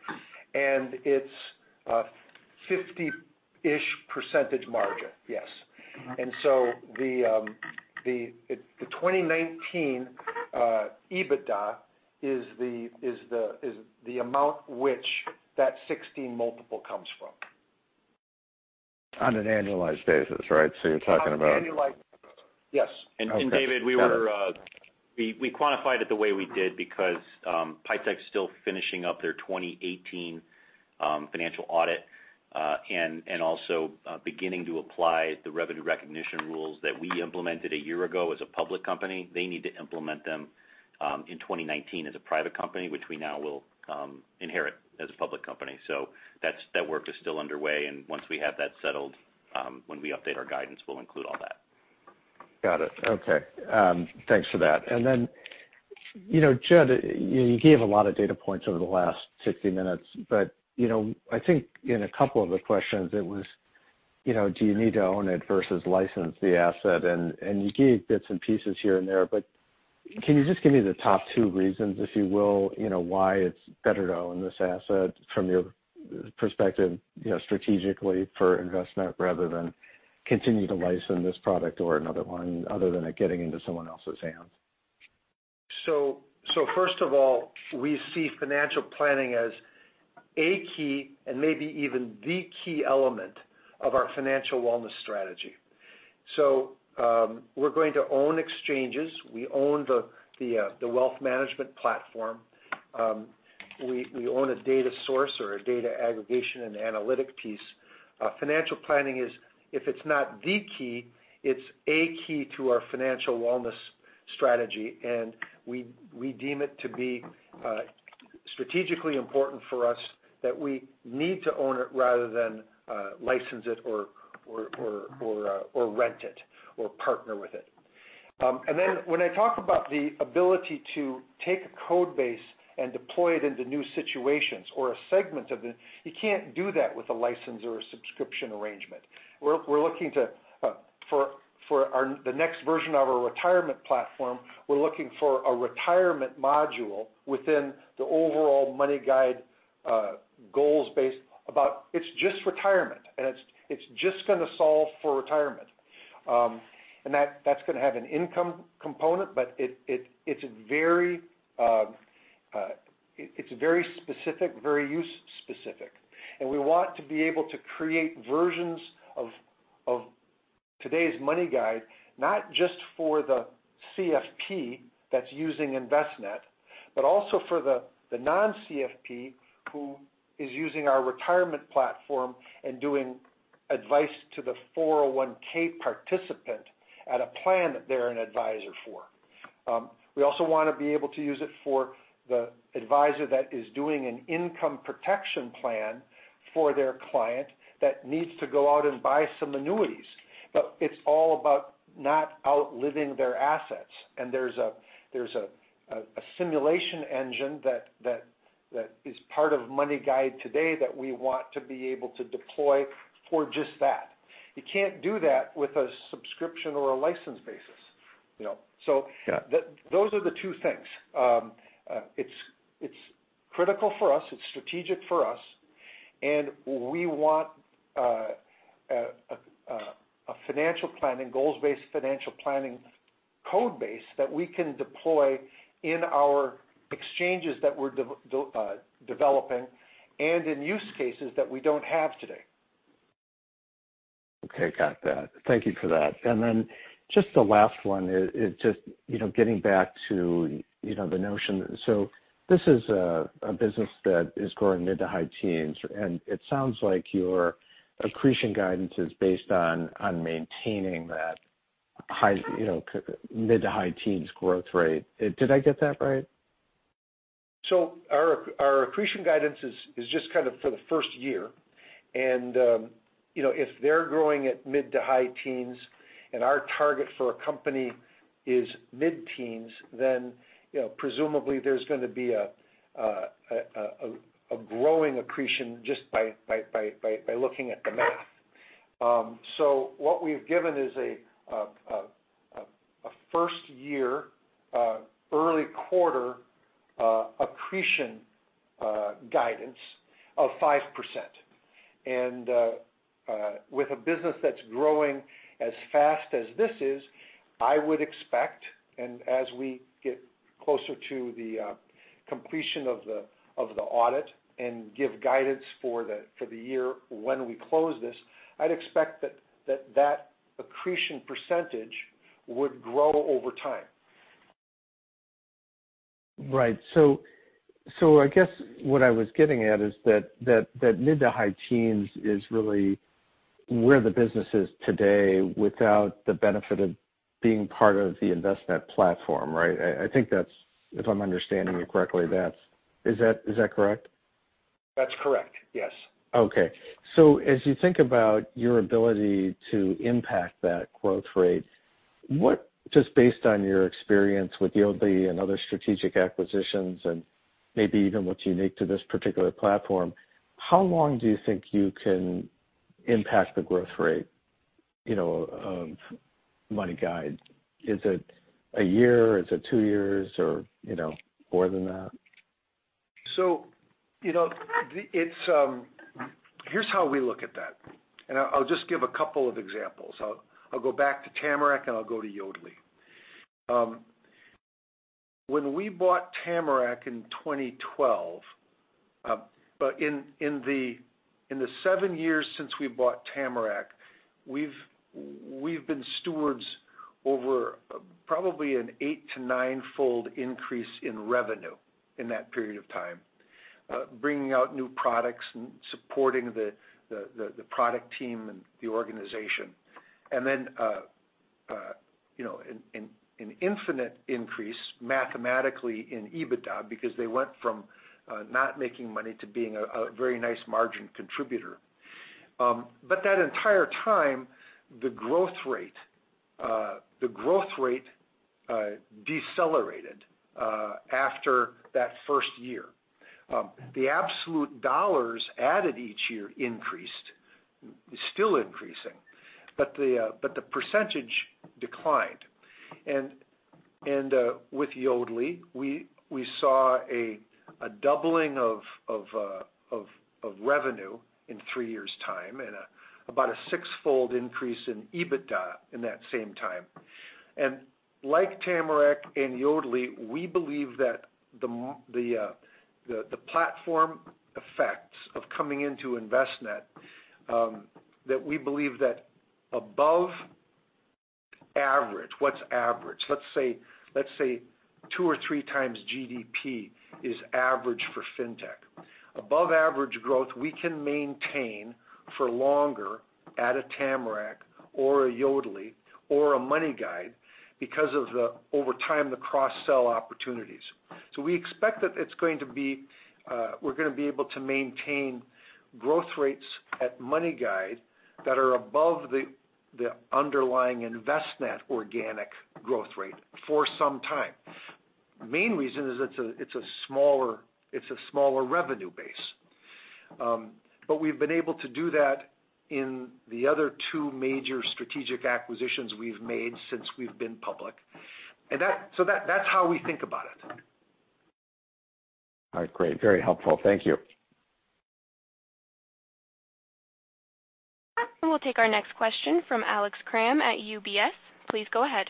and it's 50-ish % margin. Yes. The 2019 EBITDA is the amount which that 16x multiple comes from. On an annualized basis, right? you're talking about On an annualized Yes. Okay. Got it. David, we quantified it the way we did because PIEtech's still finishing up their 2018 financial audit, and also beginning to apply the revenue recognition rules that we implemented a year ago as a public company. They need to implement them in 2019 as a private company, which we now will inherit as a public company. That work is still underway, and once we have that settled, when we update our guidance, we'll include all that. Got it. Okay. Thanks for that. Jud, you gave a lot of data points over the last 60 minutes, but I think in a couple of the questions, it was do you need to own it versus license the asset? You gave bits and pieces here and there, but can you just give me the top two reasons, if you will, why it's better to own this asset from your perspective, strategically for Envestnet, rather than continue to license this product or another one other than it getting into someone else's hands? First of all, we see financial planning as a key, and maybe even the key element of our financial wellness strategy. We're going to own exchanges. We own the wealth management platform. We own a data source or a data aggregation and analytic piece. Financial planning is, if it's not the key, it's a key to our financial wellness strategy, and we deem it to be strategically important for us that we need to own it rather than license it or rent it or partner with it. When I talk about the ability to take a code base and deploy it into new situations or a segment of it, you can't do that with a license or a subscription arrangement. For the next version of our retirement platform, we're looking for a retirement module within the overall MoneyGuide, goals-based. It's just retirement, and it's just going to solve for retirement. That's going to have an income component, but it's very specific, very use specific. We want to be able to create versions of today's MoneyGuide, not just for the CFP that's using Envestnet, but also for the non-CFP who is using our retirement platform and doing advice to the 401 participant at a plan that they're an advisor for. We also want to be able to use it for the advisor that is doing an income protection plan for their client that needs to go out and buy some annuities. It's all about not outliving their assets. There's a simulation engine that is part of MoneyGuide today that we want to be able to deploy for just that. You can't do that with a subscription or a license basis. Yeah Those are the two things. It's critical for us, it's strategic for us, we want a goals-based financial planning code base that we can deploy in our exchanges that we're developing and in use cases that we don't have today. Okay. Got that. Thank you for that. Just the last one is just getting back to the notion. This is a business that is growing mid to high teens, and it sounds like your accretion guidance is based on maintaining that mid to high teens growth rate. Did I get that right? Our accretion guidance is just kind of for the first year. If they're growing at mid to high teens and our target for a company is mid-teens, then presumably there's going to be a growing accretion just by looking at the math. What we've given is a first-year, early quarter accretion guidance of 5%. With a business that's growing as fast as this is, I would expect, and as we get closer to the completion of the audit and give guidance for the year when we close this, I'd expect that that accretion percentage would grow over time. Right. I guess what I was getting at is that mid to high teens is really where the business is today without the benefit of being part of the Envestnet platform, right? If I'm understanding you correctly. Is that correct? That's correct. Yes. Okay. As you think about your ability to impact that growth rate, what, just based on your experience with Yodlee and other strategic acquisitions and maybe even what's unique to this particular platform, how long do you think you can impact the growth rate of MoneyGuide? Is it a year, is it two years, or more than that? Here's how we look at that, and I'll just give a couple of examples. I'll go back to Tamarac, and I'll go to Yodlee. When we bought Tamarac in 2012. In the seven years since we bought Tamarac, we've been stewards over probably an eight to ninefold increase in revenue in that period of time. Bringing out new products and supporting the product team and the organization. Then an infinite increase mathematically in EBITDA because they went from not making money to being a very nice margin contributor. That entire time, the growth rate decelerated after that first year. The absolute dollars added each year increased, is still increasing, but the percentage declined. With Yodlee, we saw a doubling of revenue in three years' time and about a sixfold increase in EBITDA in that same time. Like Tamarac and Yodlee, we believe that the platform effects of coming into Envestnet, that we believe that above average What's average? Let's say two or three times GDP is average for fintech. Above-average growth we can maintain for longer at a Tamarac or a Yodlee or a MoneyGuide because of the, over time, the cross-sell opportunities. We expect that we're going to be able to maintain growth rates at MoneyGuide that are above the underlying Envestnet organic growth rate for some time. Main reason is it's a smaller revenue base. We've been able to do that in the other two major strategic acquisitions we've made since we've been public. That's how we think about it. All right, great. Very helpful. Thank you. We'll take our next question from Alex Kramm at UBS. Please go ahead.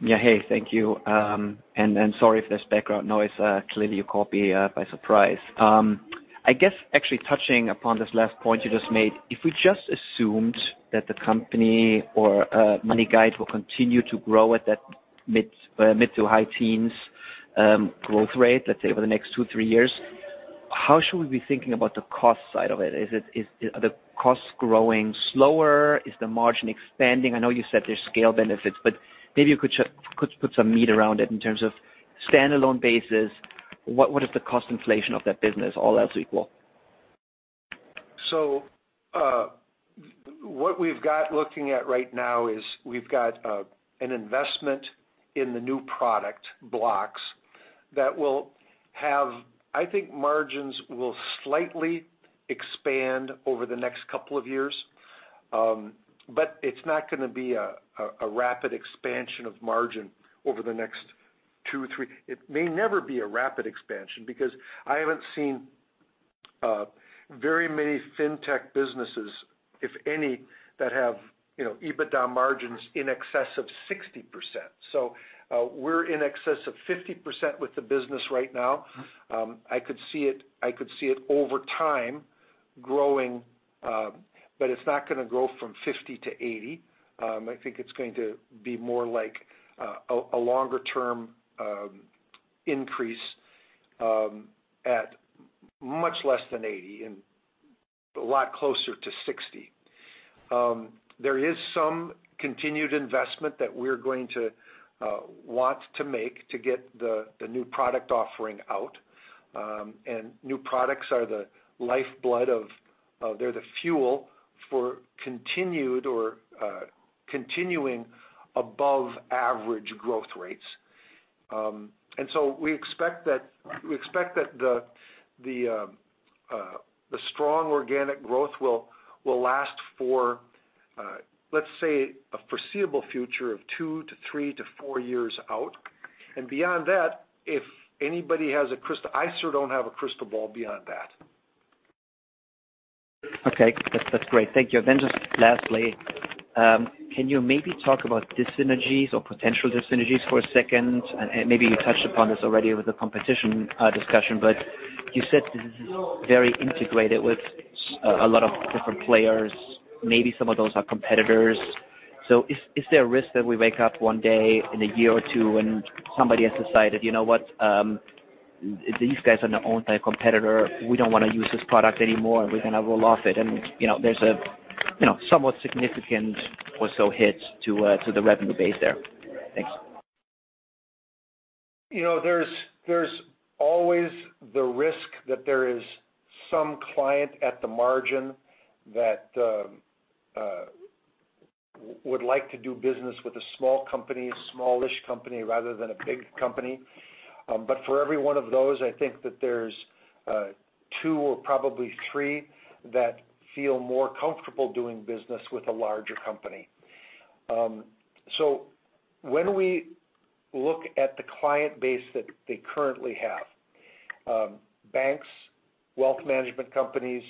Yeah. Hey, thank you. Sorry if there's background noise. Clearly you caught me by surprise. I guess actually touching upon this last point you just made, if we just assumed that the company or MoneyGuide will continue to grow at that mid-to-high teens growth rate, let's say over the next two, three years, how should we be thinking about the cost side of it? Are the costs growing slower? Is the margin expanding? I know you said there's scale benefits, but maybe you could put some meat around it in terms of standalone basis. What is the cost inflation of that business, all else equal? What we've got looking at right now is we've got an investment in the new MyBlocks that will have I think margins will slightly expand over the next couple of years. It's not going to be a rapid expansion of margin over the next two, three years. It may never be a rapid expansion because I haven't seen very many fintech businesses, if any, that have EBITDA margins in excess of 60%. We're in excess of 50% with the business right now. I could see it over time growing, but it's not going to grow from 50%-80%. I think it's going to be more like a longer-term increase at much less than 80% and a lot closer to 60%. There is some continued investment that we're going to want to make to get the new product offering out. New products are the lifeblood. They're the fuel for continued or continuing above average growth rates. We expect that the strong organic growth will last for, let's say, a foreseeable future of two to three to four years out. Beyond that, if anybody has a crystal ball, I sure don't have a crystal ball beyond that. Okay. That's great. Thank you. Just lastly, can you maybe talk about dyssynergies or potential dyssynergies for a second? Maybe you touched upon this already with the competition discussion, but you said this is very integrated with a lot of different players. Maybe some of those are competitors. Is there a risk that we wake up one day in a year or two and somebody has decided, "You know what? These guys are now owned by a competitor. We don't want to use this product anymore, and we're going to roll off it." There's a somewhat significant or so hit to the revenue base there. Thanks. There's always the risk that there is some client at the margin that would like to do business with a small company, smallish company rather than a big company. For every one of those, I think that there's two or probably three that feel more comfortable doing business with a larger company. When we look at the client base that they currently have, banks, wealth management companies,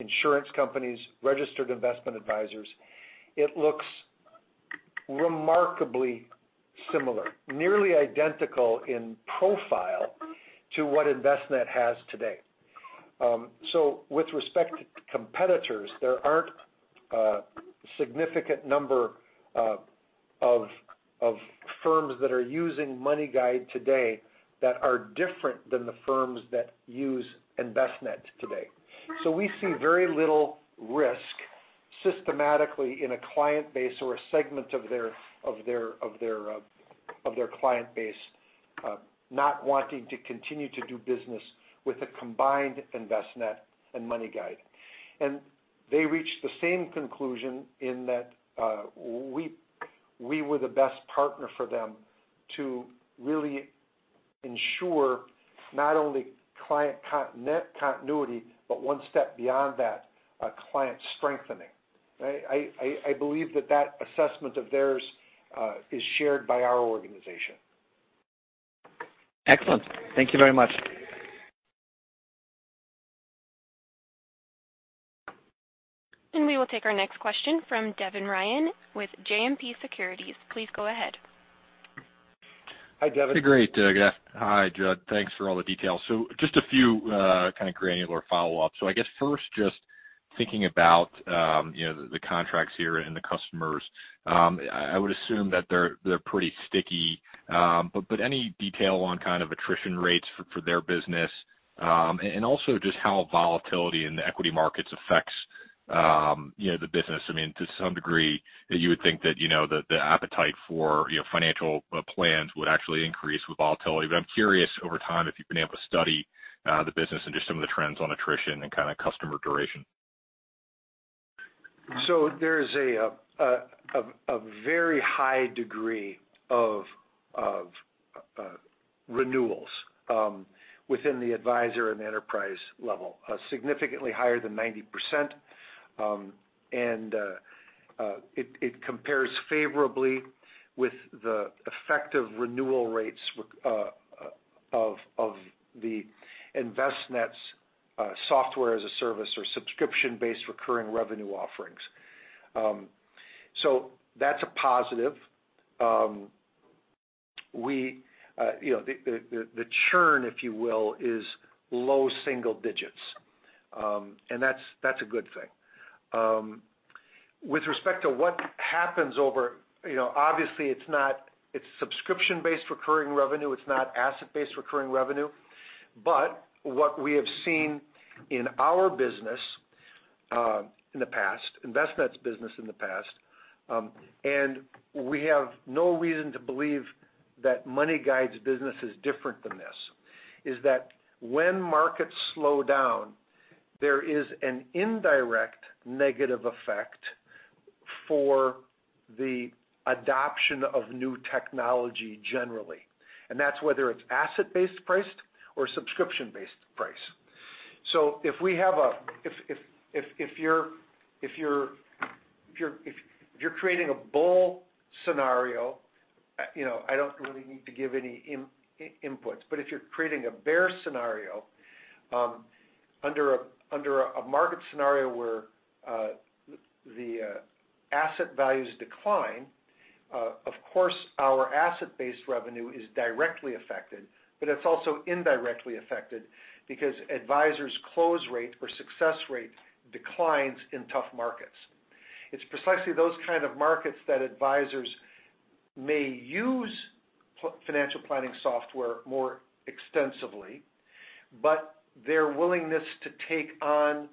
insurance companies, registered investment advisors, it looks remarkably similar, nearly identical in profile to what Envestnet has today. With respect to competitors, there aren't a significant number of firms that are using MoneyGuide today that are different than the firms that use Envestnet today. We see very little risk systematically in a client base or a segment of their client base not wanting to continue to do business with the combined Envestnet and MoneyGuide. They reached the same conclusion in that we were the best partner for them to really ensure not only client net continuity, but one step beyond that, client strengthening, right? I believe that that assessment of theirs is shared by our organization. Excellent. Thank you very much. We will take our next question from Devin Ryan with JMP Securities. Please go ahead. Hi, Devin. Great. Yeah. Hi, Jud. Thanks for all the details. Just a few kind of granular follow-ups. I guess first, just thinking about the contracts here and the customers. I would assume that they're pretty sticky. Any detail on kind of attrition rates for their business? Also just how volatility in the equity markets affects the business. I mean, to some degree, you would think that the appetite for financial plans would actually increase with volatility. I'm curious over time if you've been able to study the business and just some of the trends on attrition and kind of customer duration. There's a very high degree of renewals within the advisor and enterprise level, significantly higher than 90%. It compares favorably with the effective renewal rates of Envestnet's software-as-a-service or subscription-based recurring revenue offerings. That's a positive. The churn, if you will, is low single digits. That's a good thing. Obviously, it's subscription-based recurring revenue, it's not asset-based recurring revenue. What we have seen in our business in the past, Envestnet's business in the past, and we have no reason to believe that MoneyGuide's business is different than this, is that when markets slow down, there is an indirect negative effect for the adoption of new technology generally, and that's whether it's asset-based priced or subscription-based price. If you're creating a bull scenario, I don't really need to give any inputs. If you're creating a bear scenario, under a market scenario where the asset values decline, of course, our asset-based revenue is directly affected, but it's also indirectly affected because advisors' close rate or success rate declines in tough markets. It's precisely those kind of markets that advisors may use financial planning software more extensively, but their willingness to take on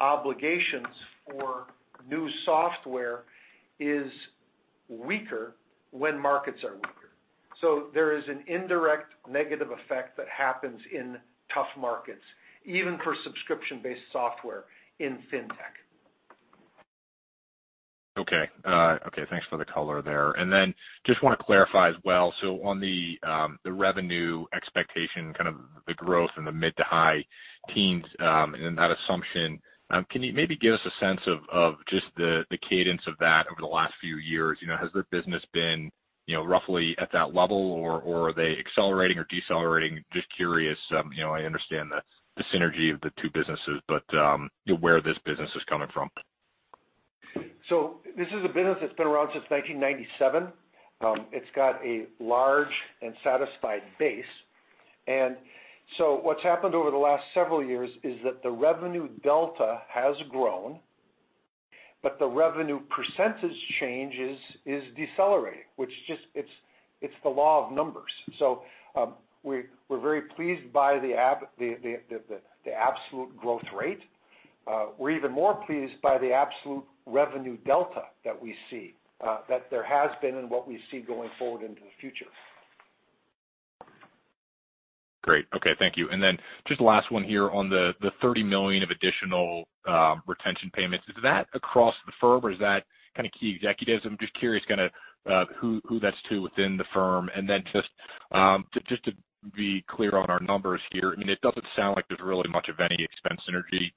obligations for new software is weaker when markets are weaker. There is an indirect negative effect that happens in tough markets, even for subscription-based software in fintech. Thanks for the color there. Just want to clarify as well, on the revenue expectation, kind of the growth in the mid to high teens, and that assumption, can you maybe give us a sense of just the cadence of that over the last few years? Has the business been roughly at that level, or are they accelerating or decelerating? Just curious. I understand the synergy of the two businesses, but where this business is coming from. This is a business that's been around since 1997. It's got a large and satisfied base. What's happened over the last several years is that the revenue delta has grown, but the revenue % change is decelerating. It's the law of numbers. We're very pleased by the absolute growth rate. We're even more pleased by the absolute revenue delta that we see, that there has been, and what we see going forward into the future. Great. Okay. Thank you. Just the last one here on the $30 million of additional retention payments. Is that across the firm, or is that kind of key executives? I'm just curious kind of who that's to within the firm, just to be clear on our numbers here. I mean, it doesn't sound like there's really much of any expense synergy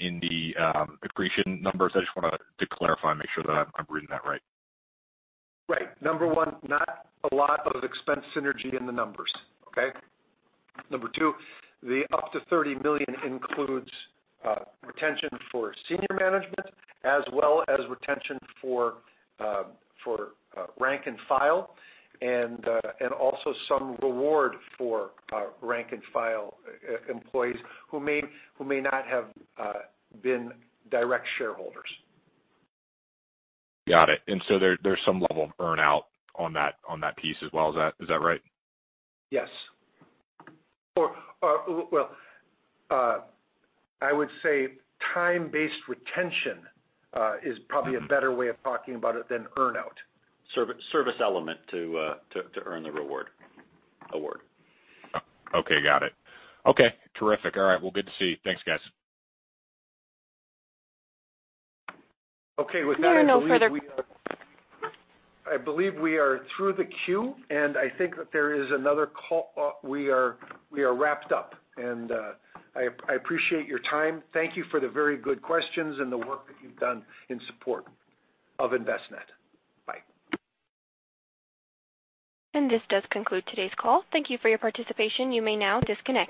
in the accretion numbers. I just wanted to clarify and make sure that I'm reading that right. Right. Number one, not a lot of expense synergy in the numbers. Okay. Number two, the up to $30 million includes retention for senior management as well as retention for rank and file, and also some reward for rank and file employees who may not have been direct shareholders. Got it. There's some level of earn out on that piece as well. Is that right? Yes. Well, I would say time-based retention is probably a better way of talking about it than earn out. Service element to earn the reward. Award. Okay, got it. Okay, terrific. All right. Well, good to see you. Thanks, guys. Okay. With that. No further- I believe we are through the queue, and I think that there is another call. We are wrapped up, and I appreciate your time. Thank you for the very good questions and the work that you've done in support of Envestnet. Bye. This does conclude today's call. Thank you for your participation. You may now disconnect.